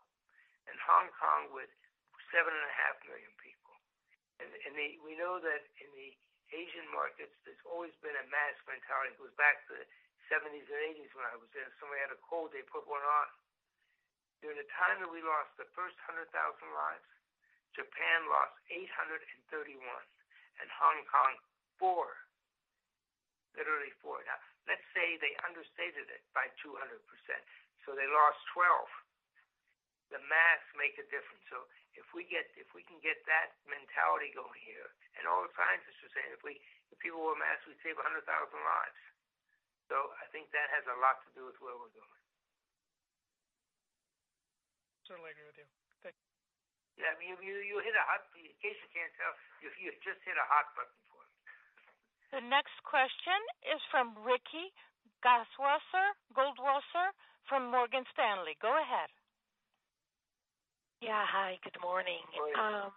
and Hong Kong with seven and a half million people, and we know that in the Asian markets, there's always been a mask mentality. It goes back to the 1970s and 1980s when I was there. If somebody had a cold, they put one on. During the time that we lost the first 100,000 lives, Japan lost 831, and Hong Kong, four. Literally four. Now, let's say they understated it by 200%, so they lost 12. The masks make a difference. If we can get that mentality going here, and all the scientists are saying if people wore masks, we'd save 100,000 lives. I think that has a lot to do with where we're going. Totally agree with you. Thank you. Yeah. In case you can't tell, you just hit a hot button for me. The next question is from Ricky Goldwasser from Morgan Stanley. Go ahead. Yeah. Hi, good morning. Good morning.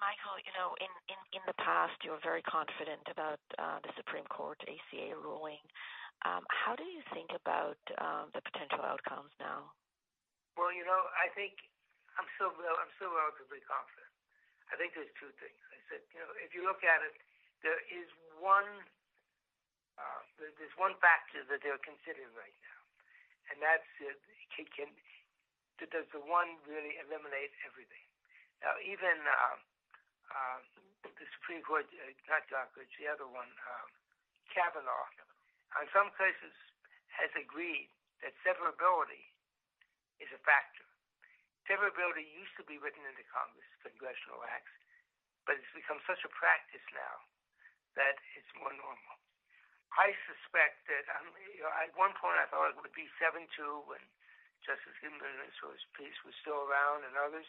Michael, in the past, you were very confident about the Supreme Court ACA ruling. How do you think about the potential outcomes now? Well, I think I'm still relatively confident. I think there's two things. I said, if you look at it, there's one factor that they're considering right. That's it. Does the one really eliminate everything? Now, even the Supreme Court, not Roberts, the other one, Kavanaugh, in some cases has agreed that severability is a factor. Severability used to be written into Congress congressional acts, it's become such a practice now that it's more normal. I suspect that, at one point I thought it would be 7-2 when Justice Ginsburg, [so his piece] was still around and others.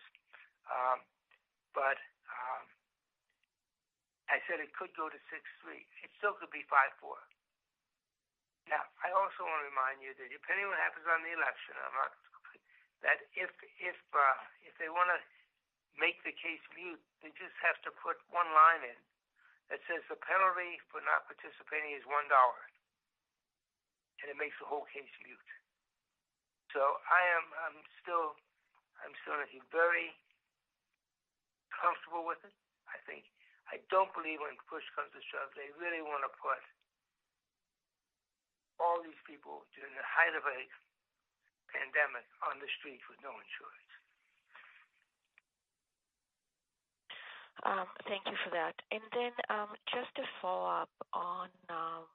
I said it could go to 6-3. It still could be 5-4. I also want to remind you that depending on what happens on the election, if they want to make the case moot, they just have to put one line in that says the penalty for not participating is $1, and it makes the whole case moot. I'm still looking very comfortable with it, I think. I don't believe when push comes to shove, they really want to put all these people during the height of a pandemic on the streets with no insurance. Thank you for that. Just a follow-up on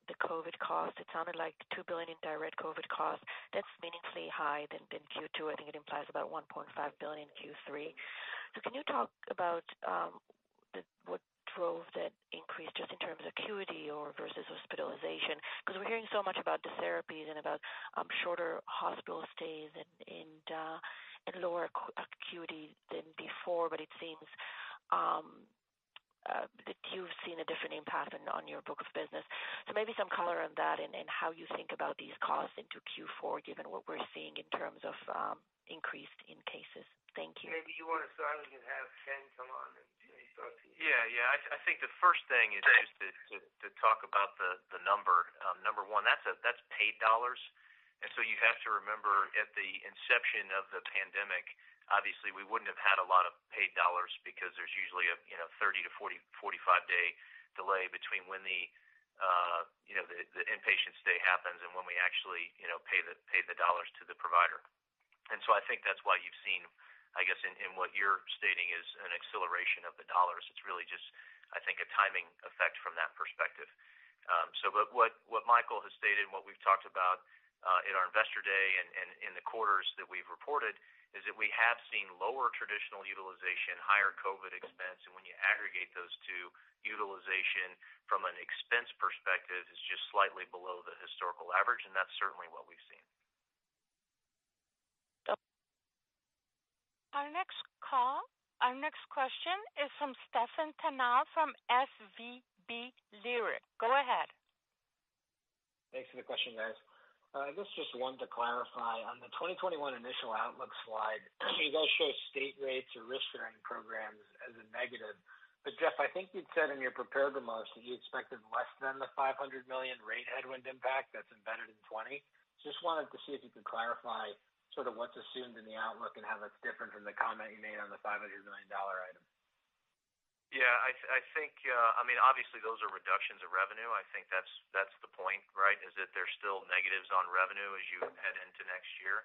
the COVID cost. It sounded like $2 billion in direct COVID cost. That's meaningfully higher than in Q2. I think it implies about $1.5 billion in Q3. Can you talk about what drove that increase, just in terms of acuity or versus hospitalization? Because we're hearing so much about the therapies and about shorter hospital stays and lower acuity than before, but it seems that you've seen a different impact on your book of business. Maybe some color on that and how you think about these costs into Q4, given what we're seeing in terms of increased in cases. Thank you. Maybe you want to start, and we can have Ken come on in. Do you want me to start? Yeah. I think the first thing is just to talk about the number. Number one, that's paid dollars, and so you have to remember, at the inception of the pandemic, obviously, we wouldn't have had a lot of paid dollars because there's usually a 30 to 45-day delay between when the inpatient stay happens and when we actually pay the dollars to the provider. I think that's why you've seen, I guess, in what you're stating is an acceleration of the dollars. It's really just, I think, a timing effect from that perspective. What Michael has stated and what we've talked about in our Investor Day and in the quarters that we've reported is that we have seen lower traditional utilization, higher COVID expense, and when you aggregate those two, utilization from an expense perspective is just slightly below the historical average, and that's certainly what we've seen. Okay. Our next question is from Stephen Tanal from SVB Leerink. Go ahead. Thanks for the question, guys. I guess just one to clarify. On the 2021 initial outlook slide, you guys show state rates or risk-sharing programs as a negative. Jeff, I think you'd said in your prepared remarks that you expected less than the $500 million rate headwind impact that's embedded in 2020. Just wanted to see if you could clarify sort of what's assumed in the outlook and how that's different from the comment you made on the $500 million item. Yeah. Obviously, those are reductions of revenue. I think that's the point, right, is that there's still negatives on revenue as you head into next year.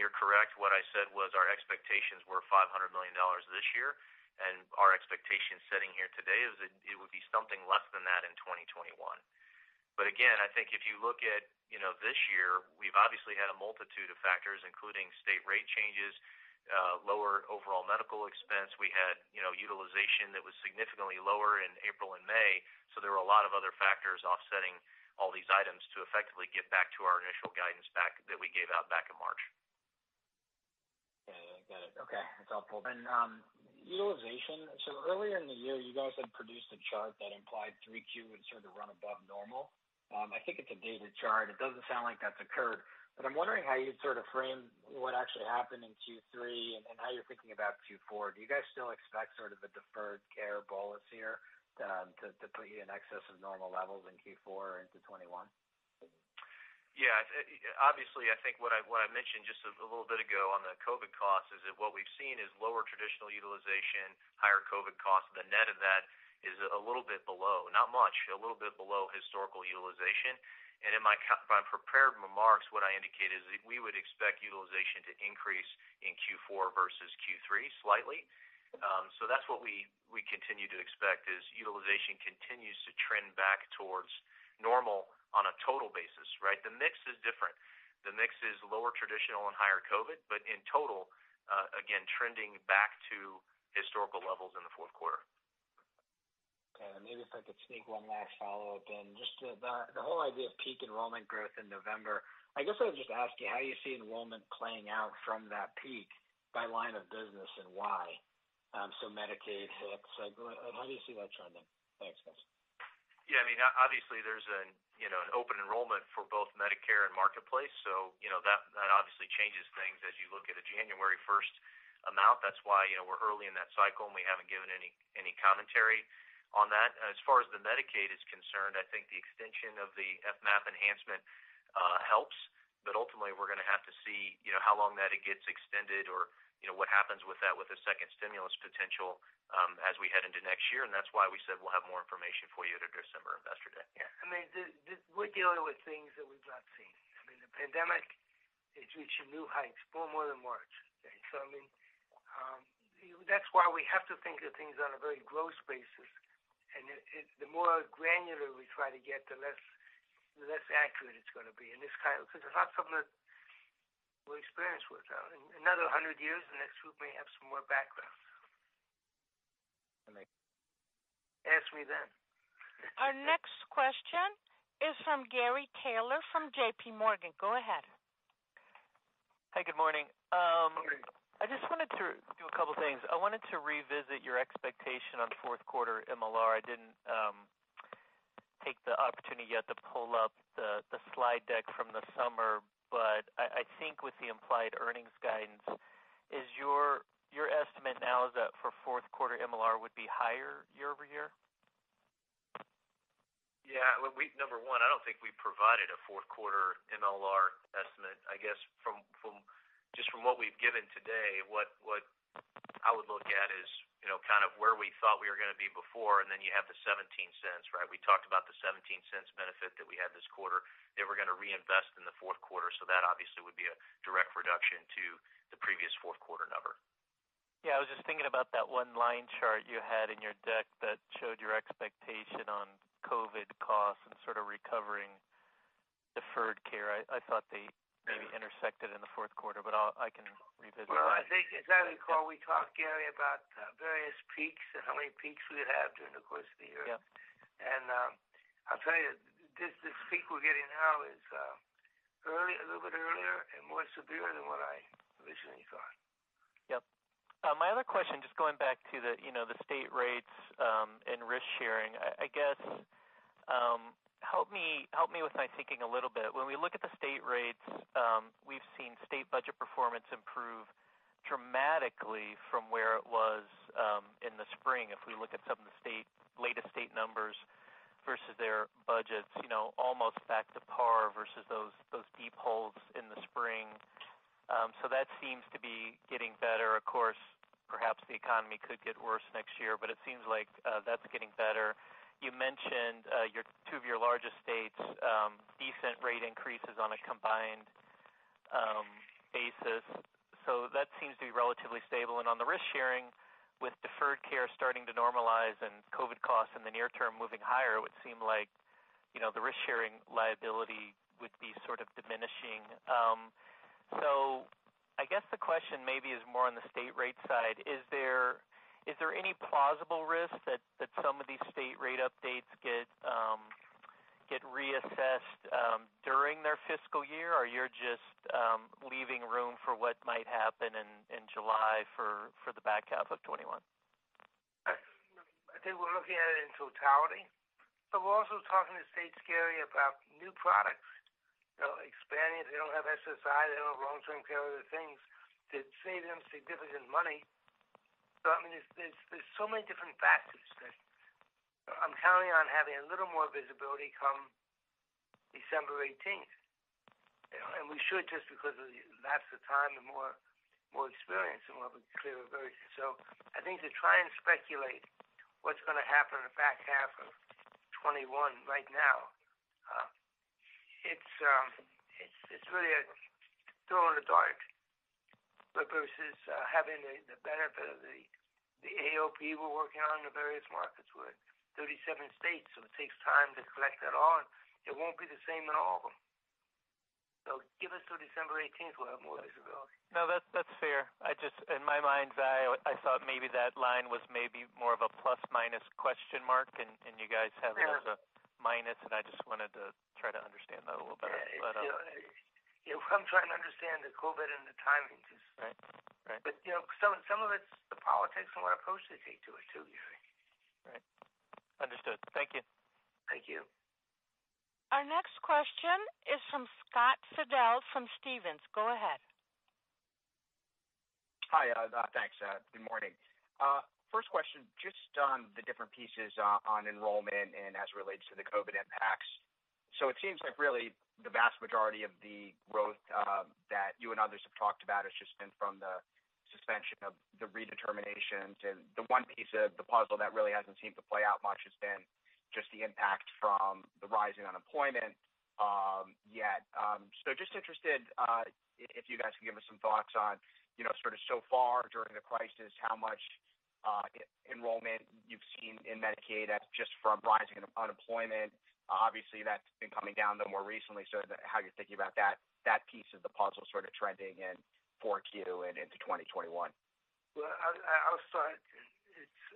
You're correct, what I said was our expectations were $500 million this year, and our expectation setting here today is that it would be something less than that in 2021. Again, I think if you look at this year, we've obviously had a multitude of factors, including state rate changes, lower overall medical expense. We had utilization that was significantly lower in April and May, so there were a lot of other factors offsetting all these items to effectively get back to our initial guidance that we gave out back in March. Okay. Got it. Okay. That's helpful. Utilization, earlier in the year, you guys had produced a chart that implied 3Q would sort of run above normal. I think it's a dated chart. It doesn't sound like that's occurred, I'm wondering how you'd sort of frame what actually happened in Q3 and how you're thinking about Q4. Do you guys still expect sort of a deferred care bolus here to put you in excess of normal levels in Q4 into 2021? Yeah. Obviously, I think what I mentioned just a little bit ago on the COVID cost is that what we've seen is lower traditional utilization, higher COVID costs. The net of that is a little bit below, not much, a little bit below historical utilization. In my prepared remarks, what I indicated is that we would expect utilization to increase in Q4 versus Q3 slightly. That's what we continue to expect, is utilization continues to trend back towards normal on a total basis, right? The mix is different. The mix is lower traditional and higher COVID, but in total, again, trending back to historical levels in the fourth quarter. Okay. Maybe if I could sneak one last follow-up in. Just the whole idea of peak enrollment growth in November. I guess I would just ask you, how you see enrollment playing out from that peak by line of business and why? Medicaid, HIX, how do you see that trending? Thanks, guys. Yeah, obviously there's an open enrollment for both Medicare and Marketplace, that obviously changes things as you look at a January 1st amount. That's why we're early in that cycle, we haven't given any commentary on that. As far as the Medicaid is concerned, I think the extension of the FMAP enhancement helps. Ultimately, we're going to have to see how long that it gets extended or what happens with that with the second stimulus potential as we head into next year, that's why we said we'll have more information for you at our December Investor Day. We're dealing with things that we've not seen. The pandemic is reaching new heights, far more than March. That's why we have to think of things on a very gross basis, and the more granular we try to get, the less accurate it's going to be, because it's not something that we're experienced with. In another 100 years, the next group may have some more background. Okay. Ask me then. Our next question is from Gary Taylor from JPMorgan. Go ahead. Hi, good morning. Morning. I just wanted to do a couple of things. I wanted to revisit your expectation on fourth quarter MLR. I didn't take the opportunity yet to pull up the slide deck from the summer, but I think with the implied earnings guidance, is your estimate now is that for fourth quarter MLR would be higher year-over-year? Yeah. Number one, I don't think we provided a fourth quarter MLR estimate. I guess just from what we've given today, what I would look at is kind of where we thought we were going to be before, and then you have the $0.17, right? We talked about the $0.17 benefit that we had this quarter that we're going to reinvest in the fourth quarter, so that obviously would be a direct reduction to the previous fourth quarter number. Yeah, I was just thinking about that one line chart you had in your deck that showed your expectation on COVID costs and sort of recovering deferred care. I thought they maybe intersected in the fourth quarter, but I can revisit that. Well, I think, as I recall, we talked, Gary, about various peaks and how many peaks we'd have during the course of the year. Yeah. I'll tell you, this peak we're getting now is a little bit earlier and more severe than what I originally thought. Yep. My other question, just going back to the state rates and risk-sharing, I guess, help me with my thinking a little bit. When we look at the state rates, we've seen state budget performance improve dramatically from where it was in the spring. If we look at some of the latest state numbers versus their budgets, almost back to par versus those deep holes in the spring. That seems to be getting better. Of course, perhaps the economy could get worse next year, but it seems like that's getting better. You mentioned two of your largest states, decent rate increases on a combined basis. That seems to be relatively stable. On the risk-sharing, with deferred care starting to normalize and COVID costs in the near term moving higher, it would seem like the risk-sharing liability would be sort of diminishing. I guess the question maybe is more on the state rate side. Is there any plausible risk that some of these state rate updates get reassessed during their fiscal year, or you're just leaving room for what might happen in July for the back half of 2021? I think we're looking at it in totality. We're also talking to states, Gary, about new products. Expanding if they don't have SSI, they don't have long-term care, other things that save them significant money. There's so many different factors. I'm counting on having a little more visibility come December 18th. We should just because of the lapse of time, the more experience, and we'll have a clearer version. I think to try and speculate what's going to happen in the back half of 2021 right now, it's really a throw in the dark. Versus having the benefit of the AOP we're working on in the various markets. We're in 37 states, so it takes time to collect that all, and it won't be the same in all of them. Give us till December 18th, we'll have more visibility. No, that's fair. In my mind's eye, I thought maybe that line was maybe more of a plus/minus question mark. Sure. It as a minus, and I just wanted to try to understand that a little better. Yeah. What I'm trying to understand is COVID and the timing. Right. Some of it's the politics and what approaches they take to it too, Gary. Right. Understood. Thank you. Thank you. Our next question is from Scott Fidel from Stephens. Go ahead. Hi. Thanks. Good morning. First question, just on the different pieces on enrollment and as it relates to the COVID-19 impacts. So it seems like really the vast majority of the growth that you and others have talked about has just been from the suspension of the redeterminations, and the one piece of the puzzle that really hasn't seemed to play out much has been just the impact from the rising unemployment yet. So just interested if you guys can give us some thoughts on sort of so far during the crisis, how much enrollment you've seen in Medicaid as just from rising unemployment. Obviously, that's been coming down, though, more recently. So how you're thinking about that piece of the puzzle sort of trending in 4Q and into 2021. Well, I'll start.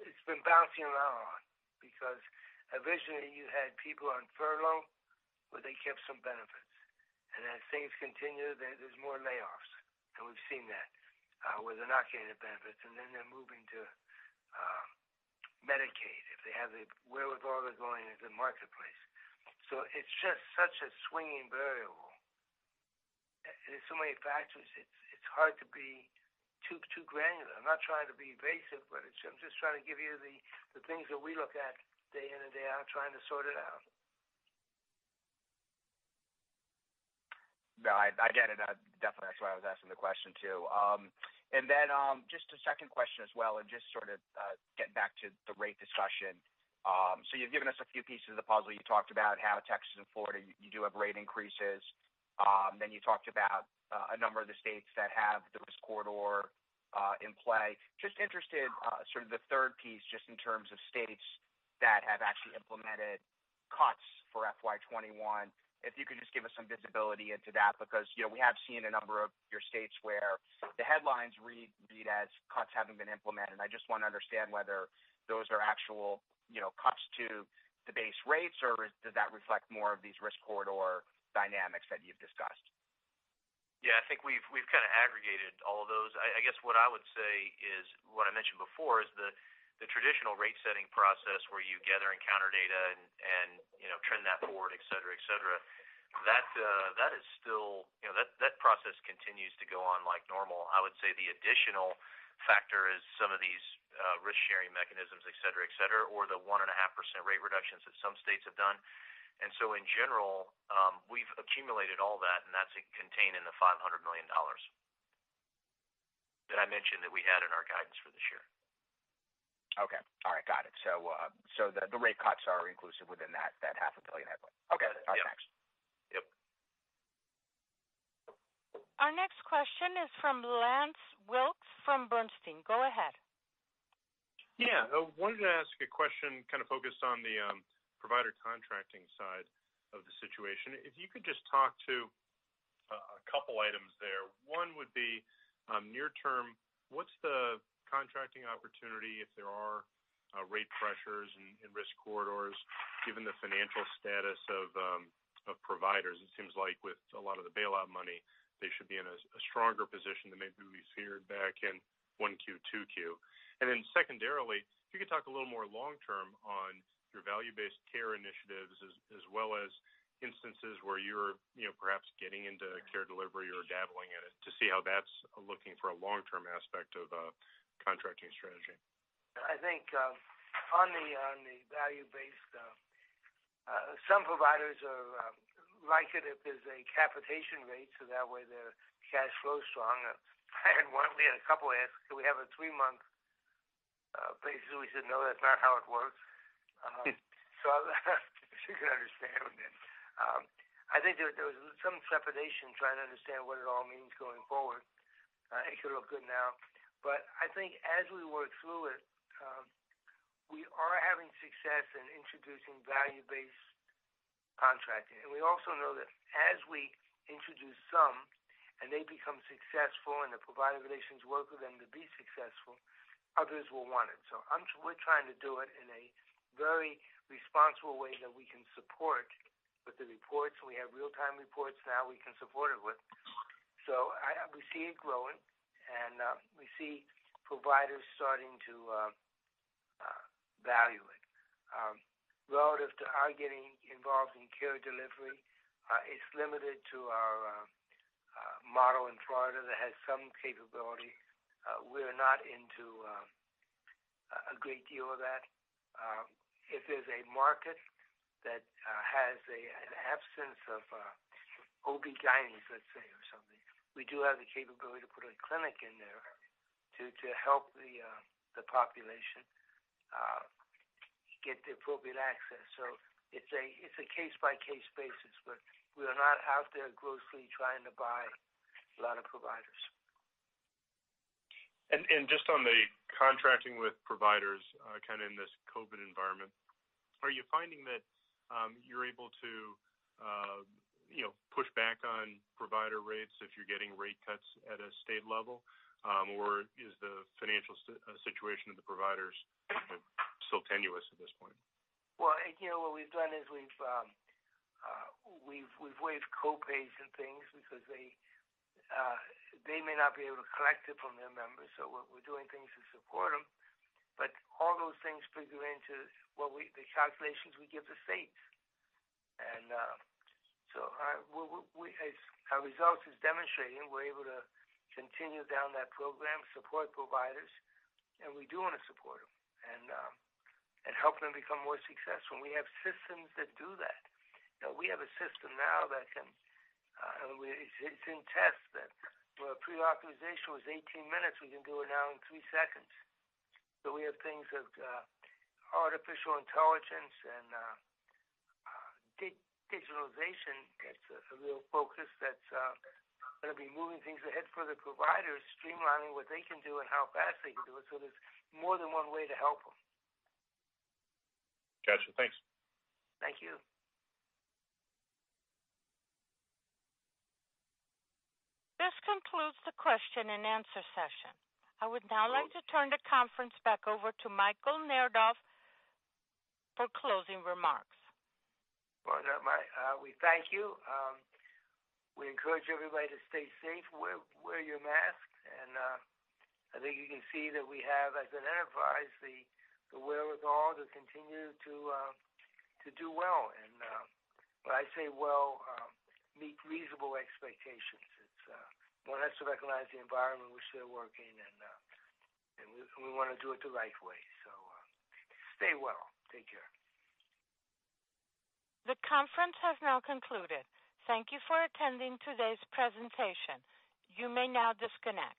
It's been bouncing around because originally you had people on furlough, but they kept some benefits. As things continue, there's more layoffs, and we've seen that where they're not getting the benefits, and then they're moving to Medicaid. If they have the wherewithal, they're going into the Marketplace. It's just such a swinging variable, and there's so many factors. It's hard to be too granular. I'm not trying to be evasive, but I'm just trying to give you the things that we look at day in and day out trying to sort it out. No, I get it. Definitely that's why I was asking the question, too. Just a second question as well, getting back to the rate discussion. You've given us a few pieces of the puzzle. You talked about how Texas and Florida, you do have rate increases. You talked about a number of the states that have the risk corridor in play. Just interested, sort of the third piece, in terms of states that have actually implemented cuts for FY 2021. If you could just give us some visibility into that, because we have seen a number of your states where the headlines read as cuts haven't been implemented. I just want to understand whether those are actual cuts to the base rates, or does that reflect more of these risk corridor dynamics that you've discussed? Yeah, I think we've kind of aggregated all of those. I guess what I would say is, what I mentioned before, is the traditional rate-setting process where you gather encounter data and trend that forward, et cetera. That process continues to go on like normal. I would say the additional factor is some of these risk-sharing mechanisms, et cetera, or the 1.5% rate reductions that some states have done. In general, we've accumulated all that, and that's contained in the $500 million that I mentioned that we had in our guidance for this year. Okay. All right, got it. The rate cuts are inclusive within that 500 million head count. Got it, yeah. Okay, all right, thanks. Yep. Our next question is from Lance Wilkes from Bernstein. Go ahead. Yeah, I wanted to ask a question kind of focused on the provider contracting side of the situation. If you could just talk to a couple items there. One would be near term, what's the contracting opportunity, if there are rate pressures in risk corridors, given the financial status of providers? It seems like with a lot of the bailout money, they should be in a stronger position than maybe we feared back in Q1, Q2. Secondarily, if you could talk a little more long-term on your value-based care initiatives, as well as instances where you're perhaps getting into care delivery or dabbling in it to see how that's looking for a long-term aspect of a contracting strategy. I think on the value-based, some providers like it if there's a capitation rate, that way their cash flow is strong. I had one, we had a couple ask, do we have a three-month, basically we said, no, that's not how it works. You can understand. I think there was some trepidation trying to understand what it all means going forward. It could look good now. I think as we work through it, we are having success in introducing value-based contracting. We also know that as we introduce some, and they become successful, and the provider relations work with them to be successful, others will want it. We're trying to do it in a very responsible way that we can support with the reports. We have real-time reports now we can support it with. We see it growing, and we see providers starting to value it. Relative to our getting involved in care delivery, it's limited to our model in Florida that has some capability. We're not into a great deal of that. If there's a market that has an absence of OB-GYNs, let's say, or something, we do have the capability to put a clinic in there to help the population get the appropriate access. It's a case-by-case basis, but we are not out there grossly trying to buy a lot of providers. Just on the contracting with providers kind of in this COVID environment, are you finding that you're able to push back on provider rates if you're getting rate cuts at a state level? Or is the financial situation of the providers still tenuous at this point? What we've done is we've waived co-pays and things because they may not be able to collect it from their members. We're doing things to support them. All those things figure into the calculations we give the states. As our results is demonstrating, we're able to continue down that program, support providers, and we do want to support them and help them become more successful. We have systems that do that. We have a system now, it's in test that where pre-authorization was 18 minutes, we can do it now in three seconds. We have things like artificial intelligence and digitalization that's a real focus that's going to be moving things ahead for the providers, streamlining what they can do and how fast they can do it. There's more than one way to help them. Gotcha, thanks. Thank you. This concludes the question and answer session. I would now like to turn the conference back over to Michael Neidorff for closing remarks. We thank you. We encourage everybody to stay safe, wear your masks. I think you can see that we have, as an enterprise, the will of all to continue to do well. When I say well, meet reasonable expectations. One has to recognize the environment we're still working in. We want to do it the right way. Stay well. Take care. The conference has now concluded. Thank you for attending today's presentation. You may now disconnect.